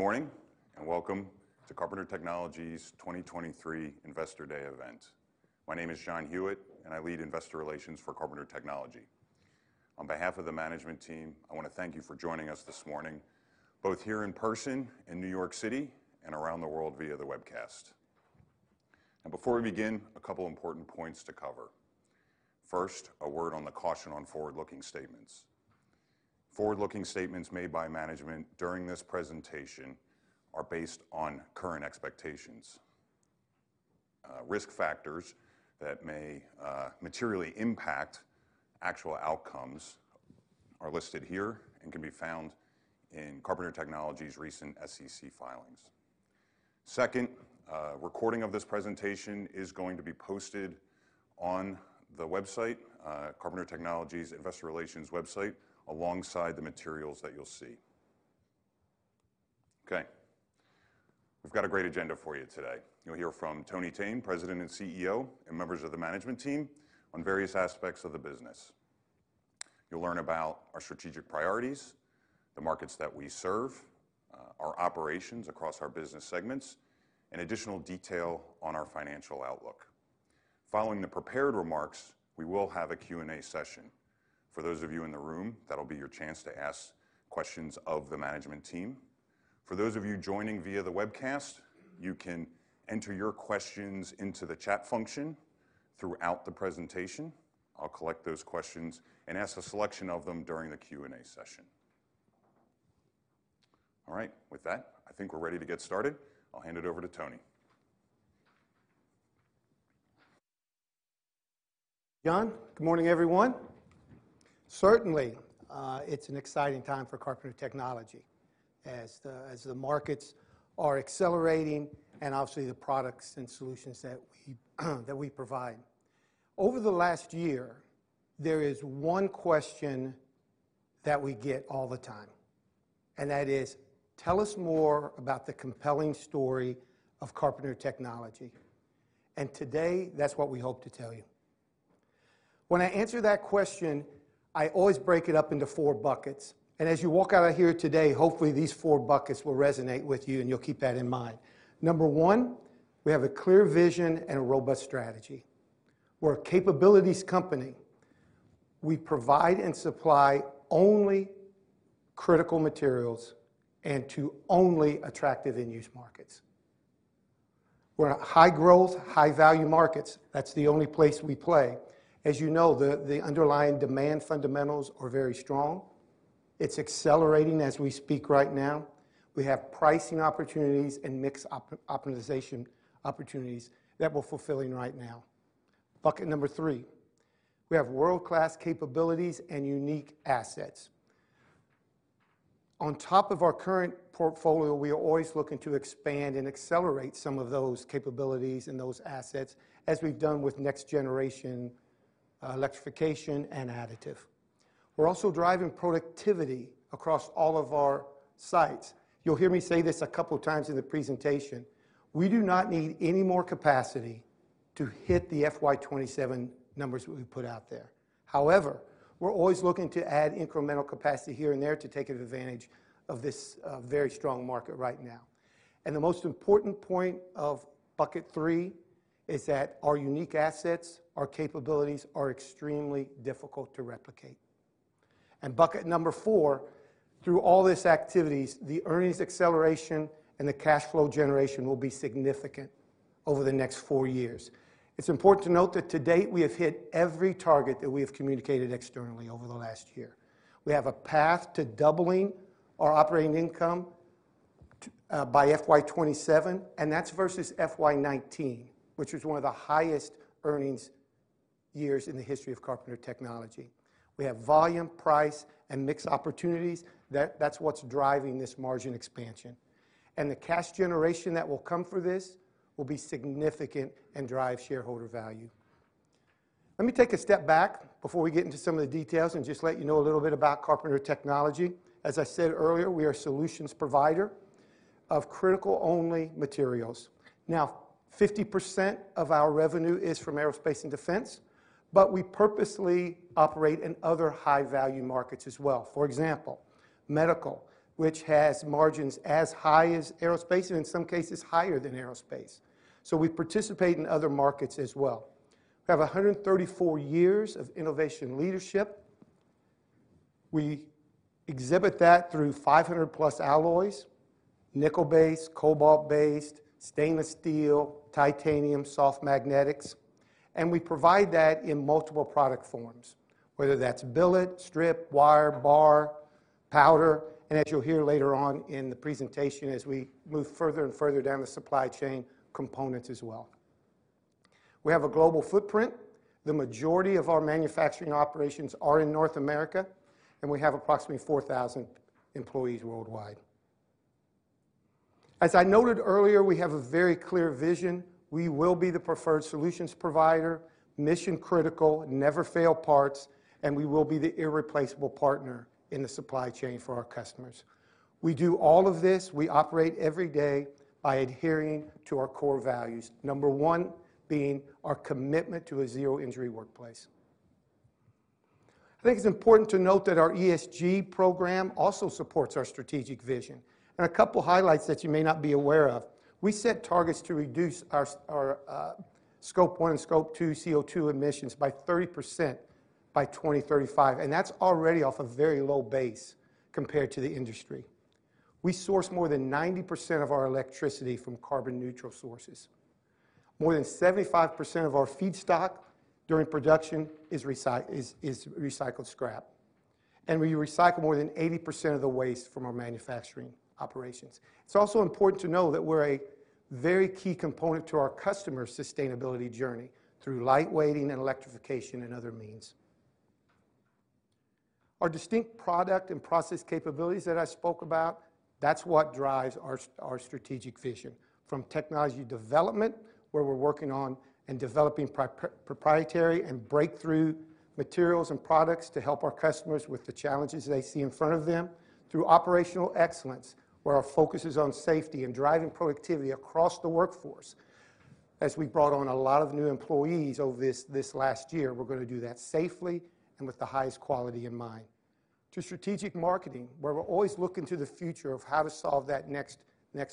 Good morning. Welcome to Carpenter Technology's 2023 Investor Day event. My name is John Hewitt. I Lead Investor Relations for Carpenter Technology. On behalf of the Management Team, I wanna thank you for joining us this morning, both here in person in New York City and around the world via the webcast. Before we begin, a couple important points to cover. First, a word on the caution on forward-looking statements. Forward-looking statements made by management during this presentation are based on current expectations. Risk factors that may materially impact actual outcomes are listed here and can be found in Carpenter Technology's recent SEC filings. Second, a recording of this presentation is going to be posted on the website, Carpenter Technology's investor relations website, alongside the materials that you'll see. We've got a great agenda for you today. You'll hear from Tony R. Thene, President and CEO, and members of the management team on various aspects of the business. You'll learn about our strategic priorities, the markets that we serve, our operations across our business segments, and additional detail on our financial outlook. Following the prepared remarks, we will have a Q&A session. For those of you in the room, that'll be your chance to ask questions of the management team. For those of you joining via the webcast, you can enter your questions into the chat function throughout the presentation. I'll collect those questions and ask a selection of them during the Q&A session. All right. With that, I think we're ready to get started. I'll hand it over to Tony. John. Good morning, everyone. Certainly, it's an exciting time for Carpenter Technology as the markets are accelerating and obviously the products and solutions that we provide. Over the last year, there is one question that we get all the time, and that is, "Tell us more about the compelling story of Carpenter Technology." Today, that's what we hope to tell you. When I answer that question, I always break it up into four buckets. As you walk out of here today, hopefully these four buckets will resonate with you, and you'll keep that in mind. Number one, we have a clear vision and a robust strategy. We're a capabilities company. We provide and supply only critical materials and to only attractive end-use markets. We're a high-growth, high-value markets. That's the only place we play. As you know, the underlying demand fundamentals are very strong. It's accelerating as we speak right now. We have pricing opportunities and mix optimization opportunities that we're fulfilling right now. Bucket number three, we have world-class capabilities and unique assets. On top of our current portfolio, we are always looking to expand and accelerate some of those capabilities and those assets, as we've done with next-generation electrification and additive. We're also driving productivity across all of our sites. You'll hear me say this a couple times in the presentation. We do not need any more capacity to hit the FY 2027 numbers we put out there. We're always looking to add incremental capacity here and there to take advantage of this very strong market right now. The most important point of bucket three is that our unique assets, our capabilities, are extremely difficult to replicate. Bucket number four, through all these activities, the earnings acceleration and the cash flow generation will be significant over the next four years. It's important to note that to date, we have hit every target that we have communicated externally over the last year. We have a path to doubling our operating income by FY 2027, and that's versus FY 2019, which was one of the highest earnings years in the history of Carpenter Technology. We have volume, price, and mix opportunities. That's what's driving this margin expansion. The cash generation that will come for this will be significant and drive shareholder value. Let me take a step back before we get into some of the details and just let you know a little bit about Carpenter Technology. As I said earlier, we are a solutions provider of critical only materials. 50% of our revenue is from aerospace and defense. We purposely operate in other high-value markets as well. For example, medical, which has margins as high as aerospace and in some cases higher than aerospace. We participate in other markets as well. We 134 years of innovation leadership. We exhibit that through 500+ alloys, nickel-based, cobalt-based, stainless steel, titanium, soft magnetics, and we provide that in multiple product forms, whether that's billet, strip, wire, bar, powder, and as you'll hear later on in the presentation as we move further and further down the supply chain, components as well. We have a global footprint. The majority of our manufacturing operations are in North America, and we have approximately 4,000 employees worldwide. As I noted earlier, we have a very clear vision. We will be the preferred solutions provider, mission-critical, never-fail parts, and we will be the irreplaceable partner in the supply chain for our customers. We do all of this, we operate every day by adhering to our core values. Number one being our commitment to a zero-injury workplace. I think it's important to note that our ESG program also supports our strategic vision. A couple highlights that you may not be aware of, we set targets to reduce our Scope 1 and Scope 2 CO2 emissions by 30% by 2035, and that's already off a very low base compared to the industry. We source more than 90% of our electricity from carbon neutral sources. More than 75% of our feedstock during production is recycled scrap, and we recycle more than 80% of the waste from our manufacturing operations. It's also important to know that we're a very key component to our customers' sustainability journey through lightweighting and electrification and other means. Our distinct product and process capabilities that I spoke about, that's what drives our strategic vision. From technology development, where we're working on and developing proprietary and breakthrough materials and products to help our customers with the challenges they see in front of them. Through operational excellence, where our focus is on safety and driving productivity across the workforce. As we brought on a lot of new employees over this last year, we're gonna do that safely and with the highest quality in mind. To strategic marketing, where we're always looking to the future of how to solve that next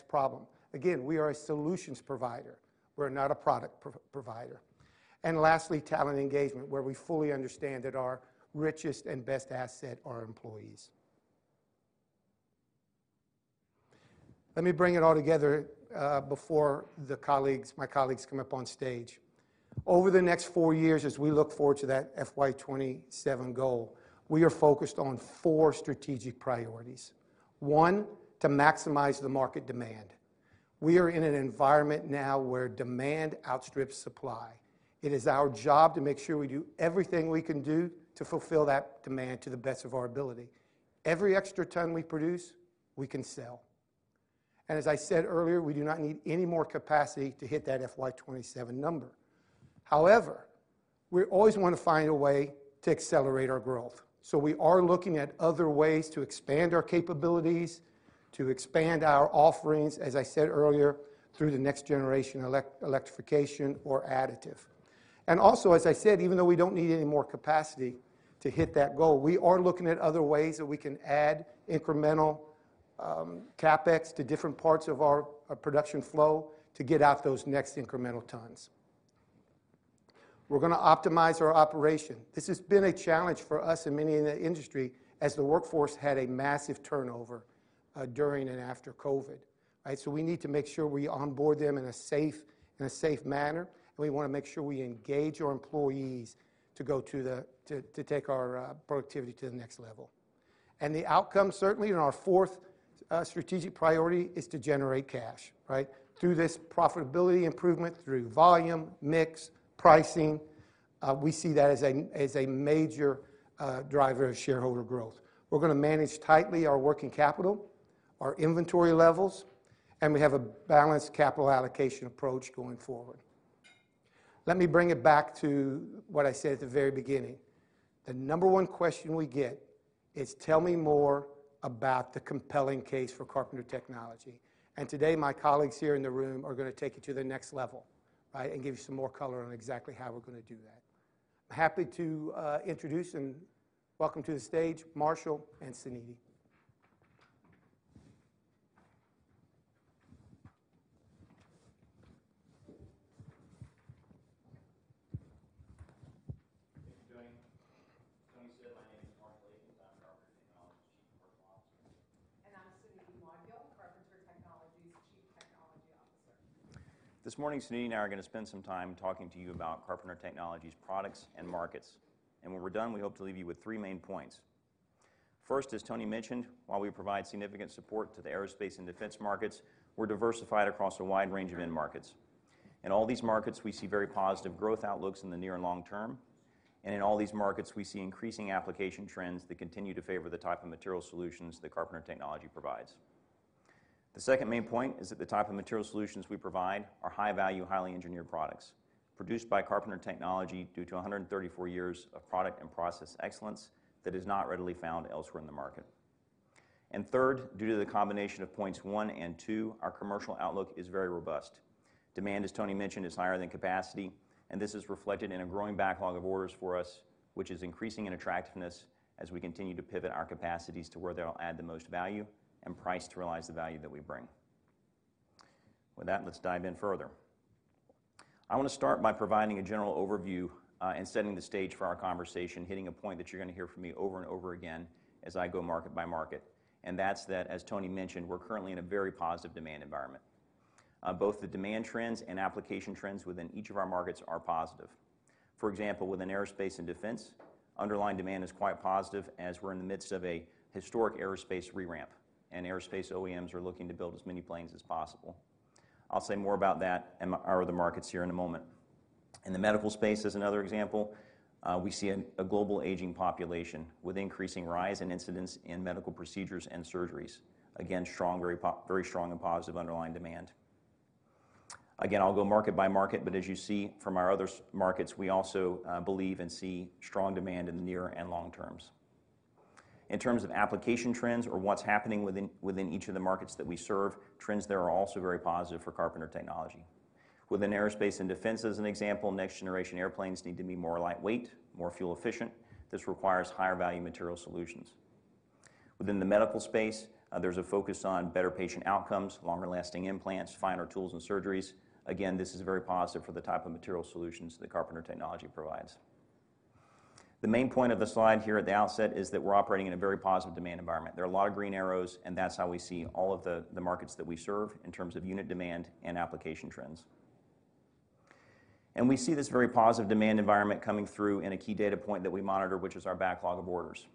problem. Again, we are a solutions provider, we're not a product provider. Lastly, talent engagement, where we fully understand that our richest and best asset are our employees. Let me bring it all together before the colleagues, my colleagues come up on stage. Over the next four years, as we look forward to that FY 2027 goal, we are focused on four strategic priorities one. To maximize the market demand. We are in an environment now where demand outstrips supply. It is our job to make sure we do everything we can do to fulfill that demand to the best of our ability. Every extra ton we produce, we can sell. As I said earlier, we do not need any more capacity to hit that FY 2027 number. We always wanna find a way to accelerate our growth. We are looking at other ways to expand our capabilities, to expand our offerings, as I said earlier, through the next generation electrification or additive. Also, as I said, even though we don't need any more capacity to hit that goal, we are looking at other ways that we can add incremental CapEx to different parts of our production flow to get out those next incremental tons. We're gonna optimize our operation. This has been a challenge for us and many in the industry as the workforce had a massive turnover during and after COVID, right? We need to make sure we onboard them in a safe manner, and we wanna make sure we engage our employees to take our productivity to the next level. The outcome, certainly in our fourth trategic priority, is to generate cash, right? Through this profitability improvement, through volume, mix, pricing, we see that as a major driver of shareholder growth. We're gonna manage tightly our working capital, our inventory levels, and we have a balanced capital allocation approach going forward. Let me bring it back to what I said at the very beginning. The number 1 question we get is: tell me more about the compelling case for Carpenter Technology. Today, my colleagues here in the room are gonna take you to the next level, right, and give you some more color on exactly how we're gonna do that. I'm happy to introduce and welcome to the stage Marshall and Suniti. Good morning. Tony said my name is Marshall Akins. I'm Carpenter Technology's Chief Corporate Officer. I'm Suniti Moudgil, Carpenter Technology's Chief Technology Officer. This morning, Suniti and I are gonna spend some time talking to you about Carpenter Technology's products and markets. When we're done, we hope to leave you with three main points. First, as Tony mentioned, while we provide significant support to the aerospace and defense markets, we're diversified across a wide range of end markets. In all these markets, we see very positive growth outlooks in the near and long term. In all these markets, we see increasing application trends that continue to favor the type of material solutions that Carpenter Technology provides. The second main point is that the type of material solutions we provide are high-value, highly engineered products produced by Carpenter Technology due 134 years of product and process excellence that is not readily found elsewhere in the market. Third, due to the combination of points one and two, our commercial outlook is very robust. Demand, as Tony mentioned, is higher than capacity, and this is reflected in a growing backlog of orders for us, which is increasing in attractiveness as we continue to pivot our capacities to where they'll add the most value and price to realize the value that we bring. With that, let's dive in further. I wanna start by providing a general overview, and setting the stage for our conversation, hitting a point that you're gonna hear from me over and over again as I go market by market. That's that, as Tony mentioned, we're currently in a very positive demand environment. Both the demand trends and application trends within each of our markets are positive. For example, within aerospace and defense, underlying demand is quite positive as we're in the midst of a historic aerospace re-ramp. Aerospace OEMs are looking to build as many planes as possible. I'll say more about that and our other markets here in a moment. In the medical space, as another example, we see a global aging population with increasing rise in incidents in medical procedures and surgeries. Again, strong, very strong and positive underlying demand. Again, I'll go market by market. As you see from our other markets, we also believe and see strong demand in the near and long term. In terms of application trends or what's happening within each of the markets that we serve, trends there are also very positive for Carpenter Technology. Within aerospace and defense, as an example, next generation airplanes need to be more lightweight, more fuel efficient. This requires higher value material solutions. Within the medical space, there's a focus on better patient outcomes, longer lasting implants, finer tools and surgeries. Again, this is very positive for the type of material solutions that Carpenter Technology provides. The main point of the slide here at the outset is that we're operating in a very positive demand environment. There are a lot of green arrows, and that's how we see all of the markets that we serve in terms of unit demand and application trends. We see this very positive demand environment coming through in a key data point that we monitor, which is our backlog of orders.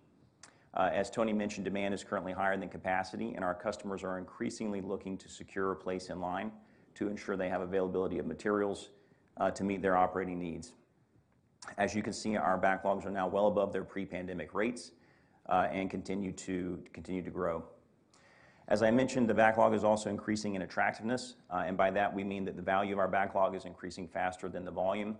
As Tony mentioned, demand is currently higher than capacity, and our customers are increasingly looking to secure a place in line to ensure they have availability of materials to meet their operating needs. As you can see, our backlogs are now well above their pre-pandemic rates and continue to grow. As I mentioned, the backlog is also increasing in attractiveness. By that we mean that the value of our backlog is increasing faster than the volume.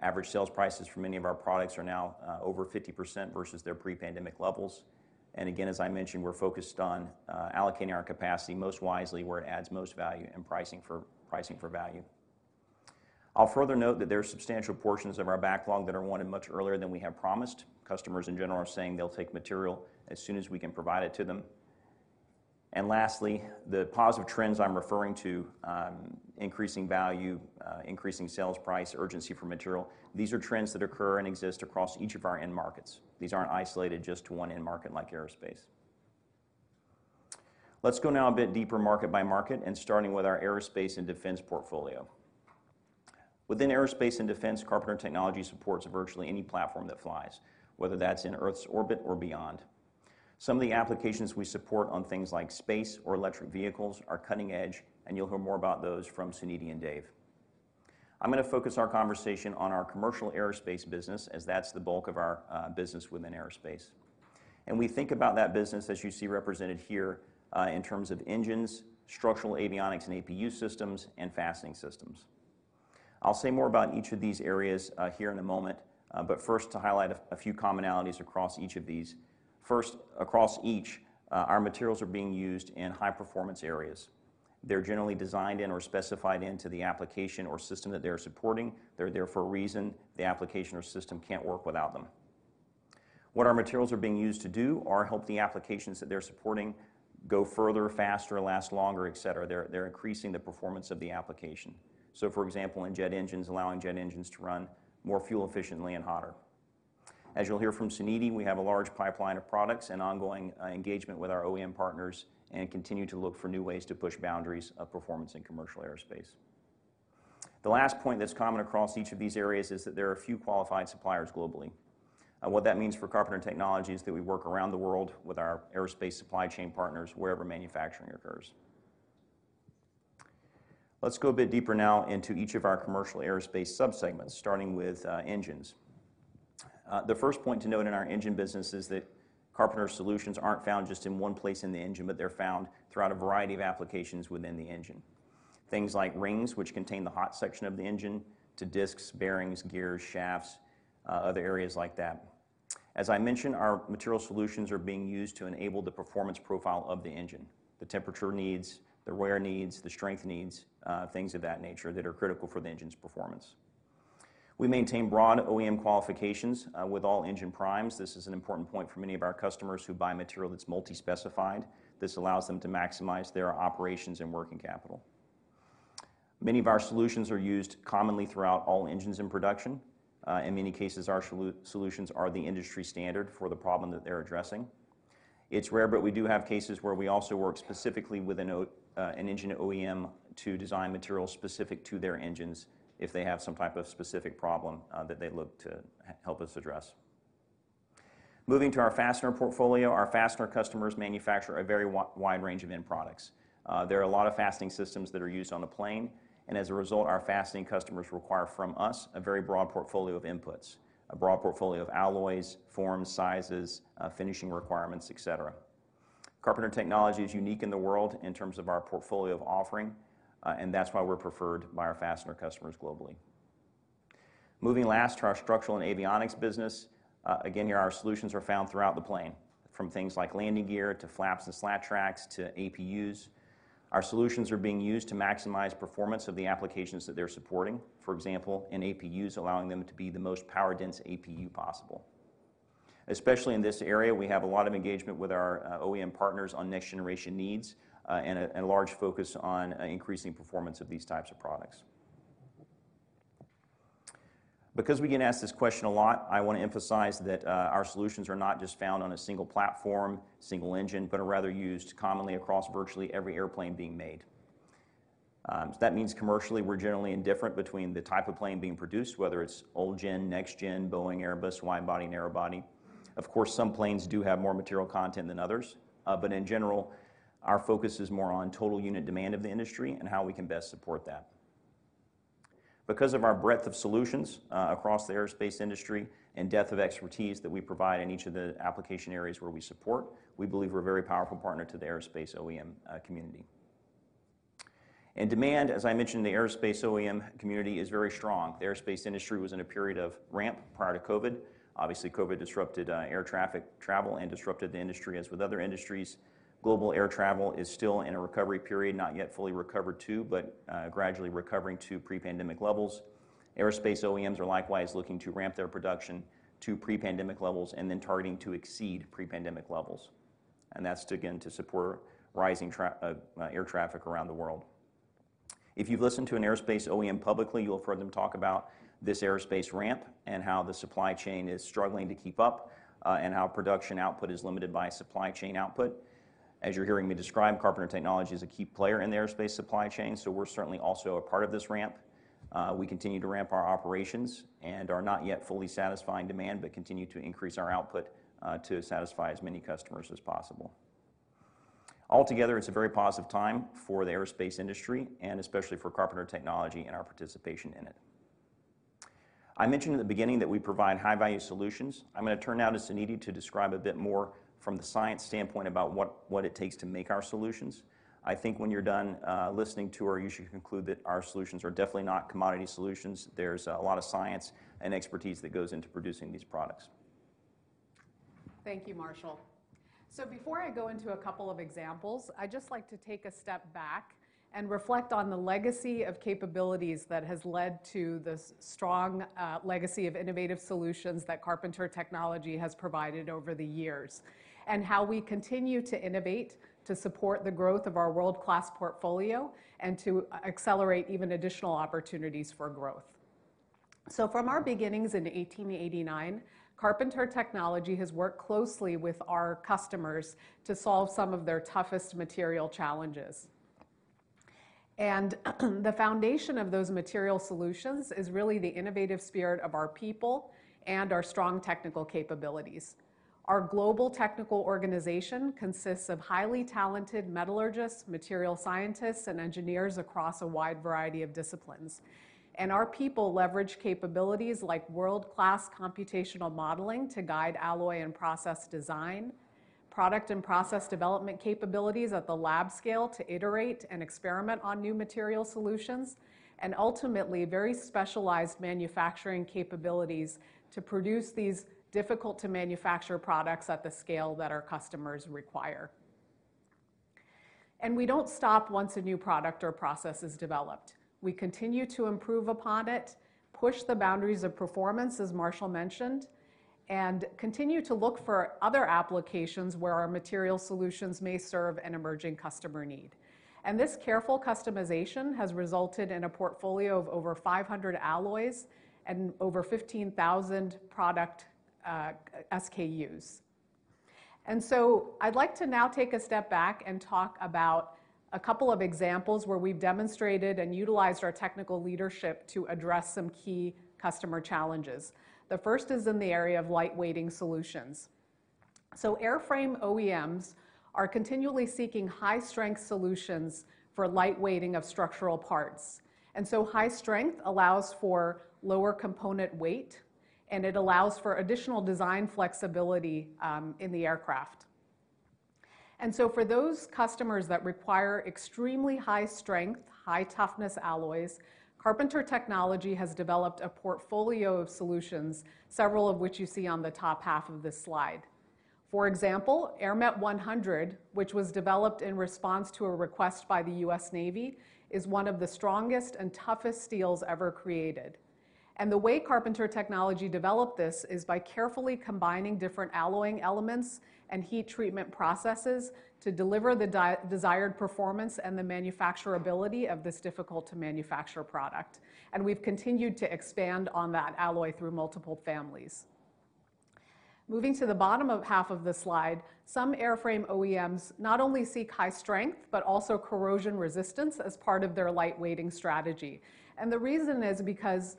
Average sales prices for many of our products are now over 50% versus their pre-pandemic levels. Again, as I mentioned, we're focused on allocating our capacity most wisely where it adds most value and pricing for value. I'll further note that there are substantial portions of our backlog that are wanted much earlier than we have promised. Customers in general are saying they'll take material as soon as we can provide it to them. Lastly, the positive trends I'm referring to, increasing value, increasing sales price, urgency for material, these are trends that occur and exist across each of our end markets. These aren't isolated just to one end market like aerospace. Let's go now a bit deeper market by market and starting with our aerospace and defense portfolio. Within aerospace and defense, Carpenter Technology supports virtually any platform that flies, whether that's in Earth's orbit or beyond. Some of the applications we support on things like space or electric vehicles are cutting edge, and you'll hear more about those from Suniti and David. I'm gonna focus our conversation on our commercial aerospace business, as that's the bulk of our business within aerospace. We think about that business as you see represented here, in terms of engines, structural avionics and APU systems, and fastening systems. I'll say more about each of these areas, here in a moment. First, to highlight a few commonalities across each of these. First, across each, our materials are being used in high-performance areas. They're generally designed in or specified into the application or system that they are supporting. They're there for a reason. The application or system can't work without them. What our materials are being used to do are help the applications that they're supporting go further, faster, last longer, etc.. They're increasing the performance of the application. For example, in jet engines, allowing jet engines to run more fuel efficiently and hotter. As you'll hear from Suneeti, we have a large pipeline of products and ongoing engagement with our OEM partners and continue to look for new ways to push boundaries of performance in commercial aerospace. The last point that's common across each of these areas is that there are a few qualified suppliers globally. What that means for Carpenter Technology is that we work around the world with our aerospace supply chain partners wherever manufacturing occurs. Let's go a bit deeper now into each of our commercial aerospace sub-segments, starting with engines. The first point to note in our engine business is that Carpenter solutions aren't found just in one place in the engine, but they're found throughout a variety of applications within the engine. Things like rings, which contain the hot section of the engine, to disks, bearings, gears, shafts, other areas like that. As I mentioned, our material solutions are being used to enable the performance profile of the engine, the temperature needs, the wear needs, the strength needs, things of that nature that are critical for the engine's performance. We maintain broad OEM qualifications with all engine primes. This is an important point for many of our customers who buy material that's multi-specified. This allows them to maximize their operations and working capital. In many cases, our solutions are the industry standard for the problem that they're addressing. It's rare, but we do have cases where we also work specifically with an engine OEM to design materials specific to their engines if they have some type of specific problem that they look to help us address. Moving to our fastener portfolio, our fastener customers manufacture a very wide range of end products. There are a lot of fastening systems that are used on a plane, and as a result, our fastening customers require from us a very broad portfolio of inputs, a broad portfolio of alloys, forms, sizes, finishing requirements, etc.. Carpenter Technology is unique in the world in terms of our portfolio of offering, and that's why we're preferred by our fastener customers globally. Moving last to our structural and avionics business, again, here our solutions are found throughout the plane, from things like landing gear to flaps and slat tracks to APUs. Our solutions are being used to maximize performance of the applications that they're supporting. For example, in APUs, allowing them to be the most power-dense APU possible. Especially in this area, we have a lot of engagement with our OEM partners on next generation needs and large focus on increasing performance of these types of products. Because we get asked this question a lot, I want to emphasize that our solutions are not just found on a one platform, one engine, but are rather used commonly across virtually every airplane being made. That means commercially, we're generally indifferent between the type of plane being produced, whether it's old gen, next gen, Boeing, Airbus, wide body, narrow body. Of course, some planes do have more material content than others. In general, our focus is more on total unit demand of the industry and how we can best support that. Because of our breadth of solutions across the aerospace industry and depth of expertise that we provide in each of the application areas where we support, we believe we're a very powerful partner to the aerospace OEM community. Demand, as I mentioned, the aerospace OEM community is very strong. The aerospace industry was in a period of ramp prior to COVID. Obviously, COVID disrupted air traffic travel and disrupted the industry as with other industries. Global air travel is still in a recovery period, not yet fully recovered too, but gradually recovering to pre-pandemic levels. Aerospace OEMs are likewise looking to ramp their production to pre-pandemic levels and then targeting to exceed pre-pandemic levels. That's to, again, to support rising air traffic around the world. If you've listened to an aerospace OEM publicly, you'll have heard them talk about this aerospace ramp and how the supply chain is struggling to keep up, and how production output is limited by supply chain output. As you're hearing me describe, Carpenter Technology is a key player in the aerospace supply chain, so we're certainly also a part of this ramp. We continue to ramp our operations and are not yet fully satisfying demand, but continue to increase our output to satisfy as many customers as possible. Altogether, it's a very positive time for the aerospace industry and especially for Carpenter Technology and our participation in it. I mentioned at the beginning that we provide high-value solutions. I'm gonna turn now to Suniti to describe a bit more from the science standpoint about what it takes to make our solutions. I think when you're done, listening to her, you should conclude that our solutions are definitely not commodity solutions. There's, a lot of science and expertise that goes into producing these products. Thank you, Marshall. Before I go into a couple of examples, I'd just like to take a step back and reflect on the legacy of capabilities that has led to this strong legacy of innovative solutions that Carpenter Technology has provided over the years and how we continue to innovate to support the growth of our world-class portfolio and to accelerate even additional opportunities for growth. From our beginnings in 1889, Carpenter Technology has worked closely with our customers to solve some of their toughest material challenges. The foundation of those material solutions is really the innovative spirit of our people and our strong technical capabilities. Our global technical organization consists of highly talented metallurgists, material scientists, and engineers across a wide variety of disciplines. Our people leverage capabilities like world-class computational modeling to guide alloy and process design, product and process development capabilities at the lab scale to iterate and experiment on new material solutions, and ultimately, very specialized manufacturing capabilities to produce these difficult-to-manufacture products at the scale that our customers require. We don't stop once a new product or process is developed. We continue to improve upon it, push the boundaries of performance, as Marshall mentioned, and continue to look for other applications where our material solutions may serve an emerging customer need. This careful customization has resulted in a portfolio of over 500 alloys and over 15,000 product SKUs. I'd like to now take a step back and talk about a couple of examples where we've demonstrated and utilized our technical leadership to address some key customer challenges. The first is in the area of lightweighting solutions. Airframe OEMs are continually seeking high-strength solutions for lightweighting of structural parts. High strength allows for lower component weight, and it allows for additional design flexibility in the aircraft. For those customers that require extremely high strength, high toughness alloys, Carpenter Technology has developed a portfolio of solutions, several of which you see on the top half of this slide. For example, AerMet 100, which was developed in response to a request by the US Navy, is one of the strongest and toughest steels ever created. The way Carpenter Technology developed this is by carefully combining different alloying elements and heat treatment processes to deliver the desired performance and the manufacturability of this difficult to manufacture product. We've continued to expand on that alloy through multiple families. Moving to the bottom of half of this slide, some airframe OEMs not only seek high strength, but also corrosion resistance as part of their lightweighting strategy. The reason is because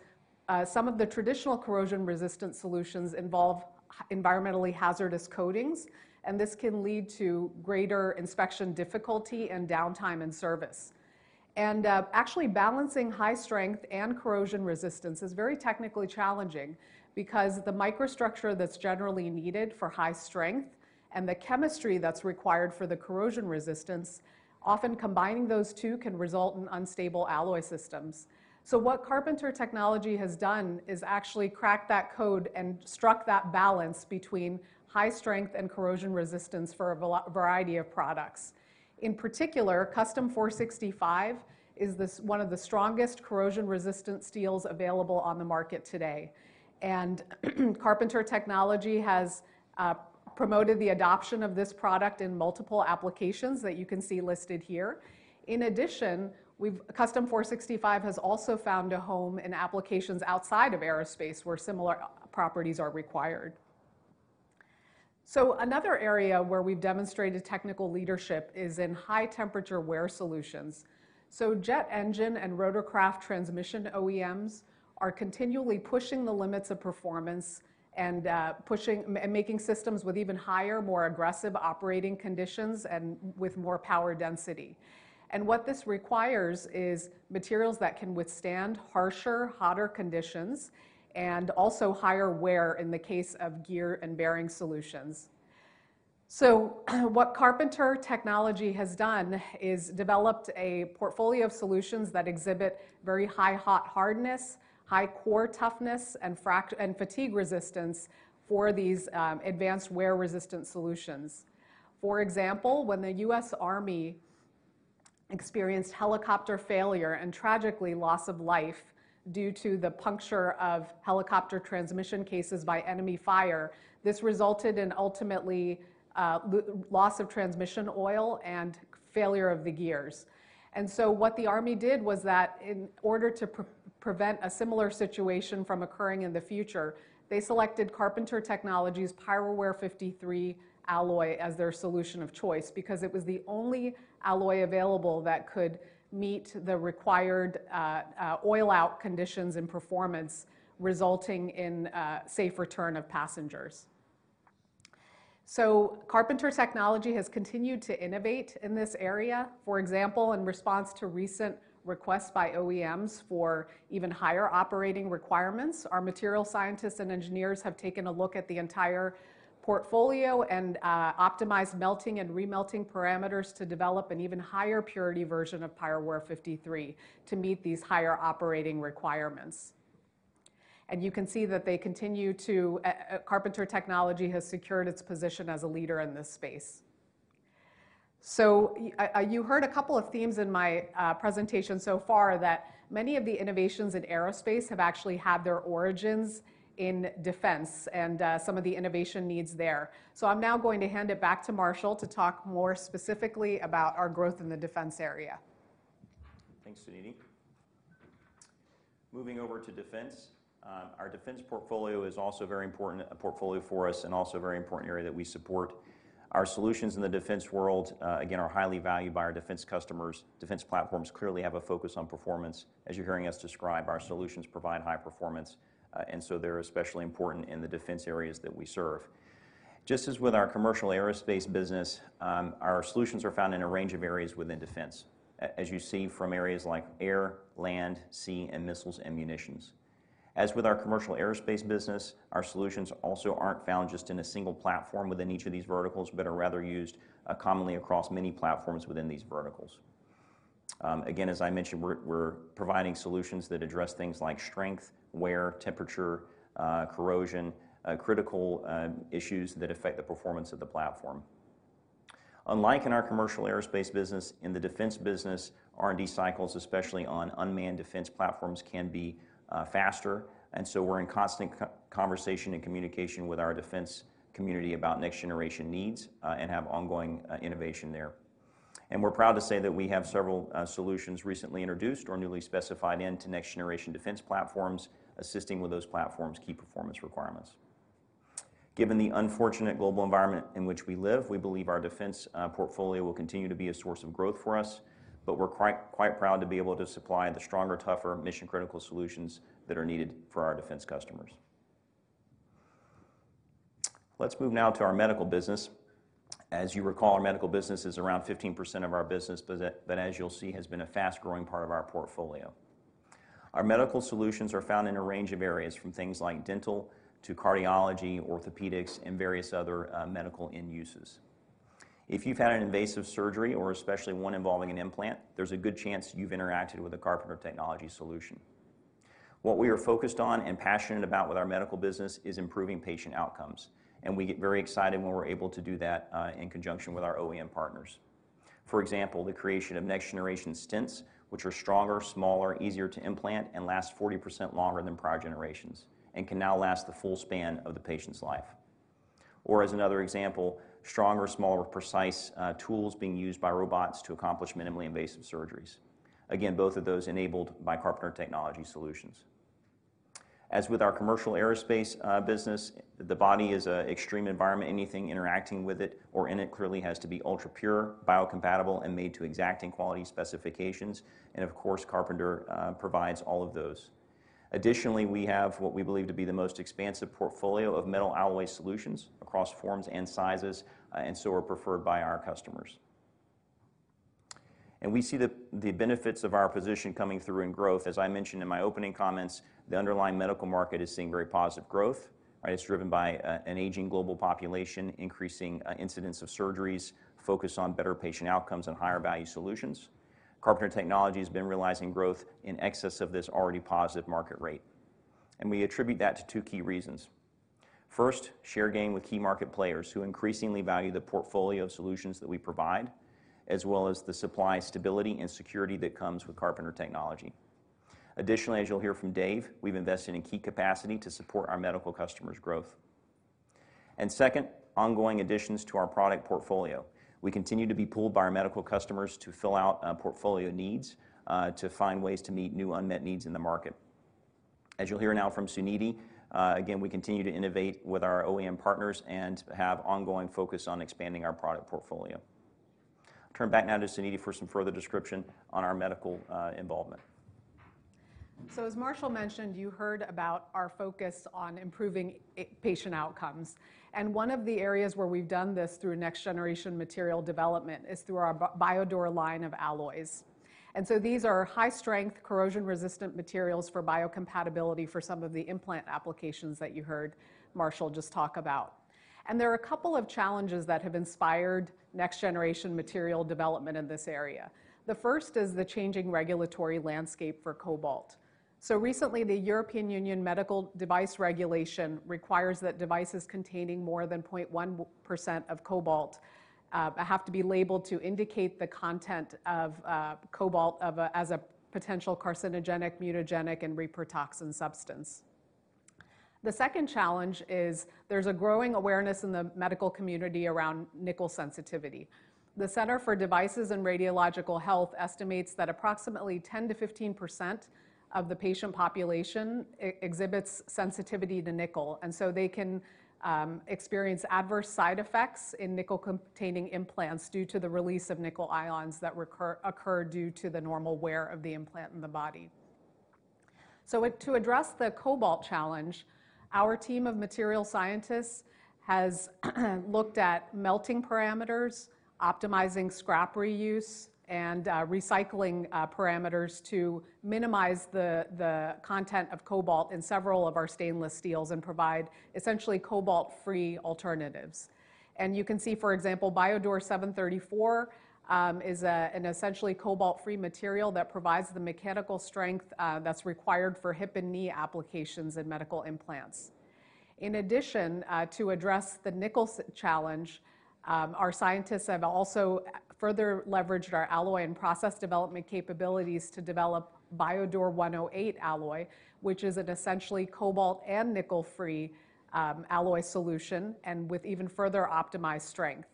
some of the traditional corrosion-resistant solutions involve environmentally hazardous coatings, and this can lead to greater inspection difficulty and downtime in service. Actually balancing high strength and corrosion resistance is very technically challenging because the microstructure that's generally needed for high strength and the chemistry that's required for the corrosion resistance, often combining those two can result in unstable alloy systems. What Carpenter Technology has done is actually cracked that code and struck that balance between high strength and corrosion resistance for a variety of products. In particular, Custom 465 is one of the strongest corrosion-resistant steels available on the market today. Carpenter Technology has promoted the adoption of this product in multiple applications that you can see listed here. Custom 465 has also found a home in applications outside of aerospace where similar properties are required. Another area where we've demonstrated technical leadership is in high-temperature wear solutions. Jet engine and rotorcraft transmission OEMs are continually pushing the limits of performance and making systems with even higher, more aggressive operating conditions and with more power density. What this requires is materials that can withstand harsher, hotter conditions and also higher wear in the case of gear and bearing solutions. What Carpenter Technology has done is developed a portfolio of solutions that exhibit very high hot hardness, high core toughness, and fatigue resistance for these advanced wear-resistant solutions. For example, when the US Army experienced helicopter failure and tragically loss of life due to the puncture of helicopter transmission cases by enemy fire, this resulted in ultimately, loss of transmission oil and failure of the gears. What the Army did was that in order to prevent a similar situation from occurring in the future, they selected Carpenter Technology's Pyrowear 53 alloy as their solution of choice because it was the only alloy available that could meet the required oil out conditions and performance resulting in safe return of passengers. Carpenter Technology has continued to innovate in this area. For example, in response to recent requests by OEMs for even higher operating requirements, our material scientists and engineers have taken a look at the entire portfolio and optimized melting and re-melting parameters to develop an even higher purity version of Pyrowear 53 to meet these higher operating requirements. You can see that they continue to Carpenter Technology has secured its position as a leader in this space. You heard a couple of themes in my presentation so far that many of the innovations in aerospace have actually had their origins in defense and some of the innovation needs there. I'm now going to hand it back to Marshall to talk more specifically about our growth in the defense area. Thanks, Suniti. Moving over to defense. Our defense portfolio is also a very important portfolio for us and also a very important area that we support. Our solutions in the defense world, again, are highly valued by our defense customers. Defense platforms clearly have a focus on performance. As you're hearing us describe, our solutions provide high performance, they're especially important in the defense areas that we serve. Just as with our commercial aerospace business, our solutions are found in a range of areas within defense, as you see from areas like air, land, sea, and missiles and munitions. As with our commercial aerospace business, our solutions also aren't found just in a single platform within each of these verticals, but are rather used, commonly across many platforms within these verticals. Again, as I mentioned, we're providing solutions that address things like strength, wear, temperature, corrosion, critical issues that affect the performance of the platform. Unlike in our commercial aerospace business, in the defense business, R&D cycles, especially on unmanned defense platforms, can be faster. We're in constant conversation and communication with our defense community about next-generation needs and have ongoing innovation there. We're proud to say that we have several solutions recently introduced or newly specified into next-generation defense platforms, assisting with those platforms' key performance requirements. Given the unfortunate global environment in which we live, we believe our defense portfolio will continue to be a source of growth for us, but we're quite proud to be able to supply the stronger, tougher mission-critical solutions that are needed for our defense customers. Let's move now to our medical business. As you recall, our medical business is around 15% of our business but as you'll see, has been a fast-growing part of our portfolio. Our medical solutions are found in a range of areas, from things like dental to cardiology, orthopedics, and various other medical end uses. If you've had an invasive surgery, or especially one involving an implant, there's a good chance you've interacted with a Carpenter Technology solution. What we are focused on and passionate about with our medical business is improving patient outcomes, and we get very excited when we're able to do that in conjunction with our OEM partners. For example, the creation of next-generation stents, which are stronger, smaller, easier to implant, and last 40% longer than prior generations and can now last the full span of the patient's life. As another example, stronger, smaller, precise tools being used by robots to accomplish minimally invasive surgeries. Again, both of those enabled by Carpenter Technology solutions. As with our commercial aerospace business, the body is an extreme environment. Anything interacting with it or in it clearly has to be ultrapure, biocompatible, and made to exacting quality specifications. Of course, Carpenter provides all of those. Additionally, we have what we believe to be the most expansive portfolio of metal alloy solutions across forms and sizes, and so are preferred by our customers. We see the benefits of our position coming through in growth. As I mentioned in my opening comments, the underlying medical market is seeing very positive growth. It's driven by an aging global population, increasing incidence of surgeries, focus on better patient outcomes and higher value solutions. Carpenter Technology has been realizing growth in excess of this already positive market rate, we attribute that to two key reasons. First, share gain with key market players who increasingly value the portfolio of solutions that we provide, as well as the supply stability and security that comes with Carpenter Technology. Additionally, as you'll hear from David, we've invested in key capacity to support our medical customers' growth. Second, ongoing additions to our product portfolio. We continue to be pulled by our medical customers to fill out portfolio needs to find ways to meet new unmet needs in the market. As you'll hear now from Suniti, again, we continue to innovate with our OEM partners and have ongoing focus on expanding our product portfolio. Turn back now to Suniti for some further description on our medical involvement. As Marshall mentioned, you heard about our focus on improving patient outcomes. One of the areas where we've done this through next-generation material development is through our BioDur® line of alloys. These are high-strength, corrosion-resistant materials for biocompatibility for some of the implant applications that you heard Marshall just talk about. There are a couple of challenges that have inspired next-generation material development in this area. The first is the changing regulatory landscape for cobalt. Recently, the European Union Medical Device Regulation requires that devices containing more than 0.1% of cobalt have to be labeled to indicate the content of cobalt as a potential carcinogenic, mutagenic, and reprotoxin substance. The second challenge is there's a growing awareness in the medical community around nickel sensitivity. The Center for Devices and Radiological Health estimates that approximately 10%-15% of the patient population exhibits sensitivity to nickel. They can experience adverse side effects in nickel-containing implants due to the release of nickel ions that occur due to the normal wear of the implant in the body. To address the cobalt challenge, our team of material scientists has looked at melting parameters, optimizing scrap reuse, and recycling parameters to minimize the content of cobalt in several of our stainless steels and provide essentially cobalt-free alternatives. You can see, for example, BioDur 734 is an essentially cobalt-free material that provides the mechanical strength that's required for hip and knee applications in medical implants. In addition, to address the nickel challenge, our scientists have also further leveraged our alloy and process development capabilities to develop BioDur® 108 alloy, which is an essentially cobalt and nickel-free alloy solution and with even further optimized strength.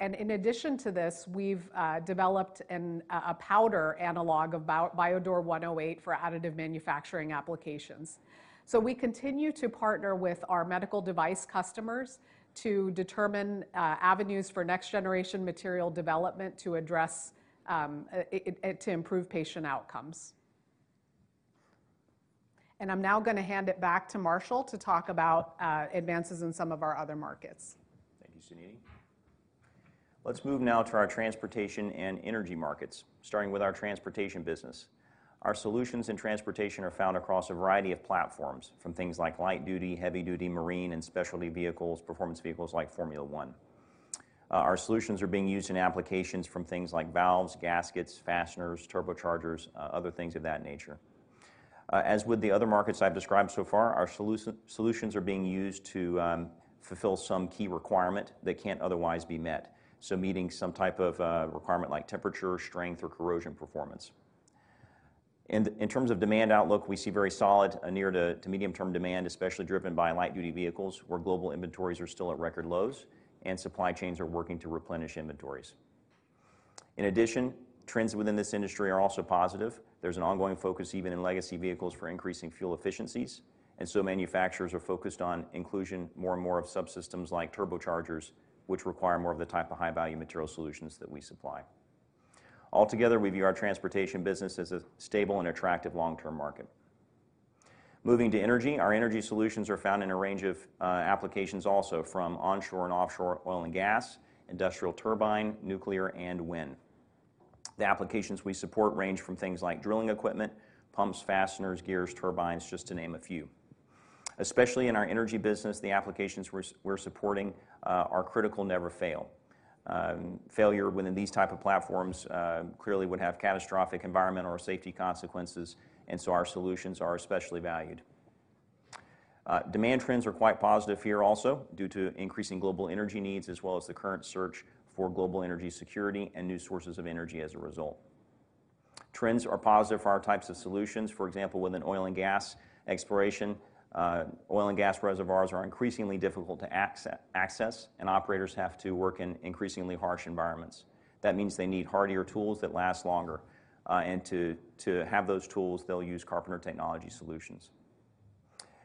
In addition to this, we've developed a powder analog of BioDur® 108 for additive manufacturing applications. We continue to partner with our medical device customers to determine avenues for next-generation material development to address to improve patient outcomes. I'm now gonna hand it back to Marshall to talk about advances in some of our other markets. Thank you, Suniti. Let's move now to our transportation and energy markets, starting with our transportation business. Our solutions in transportation are found across a variety of platforms, from things like light-duty, heavy-duty, marine, and specialty vehicles, performance vehicles like Formula One. Our solutions are being used in applications from things like valves, gaskets, fasteners, turbochargers, other things of that nature. As with the other markets I've described so far, our solutions are being used to fulfill some key requirement that can't otherwise be met, so meeting some type of requirement like temperature, strength, or corrosion performance. In terms of demand outlook, we see very solid near to medium-term demand, especially driven by light-duty vehicles, where global inventories are still at record lows and supply chains are working to replenish inventories. In addition, trends within this industry are also positive. There's an ongoing focus even in legacy vehicles for increasing fuel efficiencies. Manufacturers are focused on inclusion more and more of subsystems like turbochargers, which require more of the type of high-value material solutions that we supply. Altogether, we view our transportation business as a stable and attractive long-term market. Moving to energy, our energy solutions are found in a range of applications also, from onshore and offshore oil and gas, industrial turbine, nuclear, and wind. The applications we support range from things like drilling equipment, pumps, fasteners, gears, turbines, just to name a few. Especially in our energy business, the applications we're supporting are critical never fail. Failure within these type of platforms clearly would have catastrophic environmental or safety consequences, and our solutions are especially valued. Demand trends are quite positive here also due to increasing global energy needs as well as the current search for global energy security and new sources of energy as a result. Trends are positive for our types of solutions. For example, within oil and gas exploration, oil and gas reservoirs are increasingly difficult to access, and operators have to work in increasingly harsh environments. That means they need hardier tools that last longer, and to have those tools, they'll use Carpenter Technology solutions.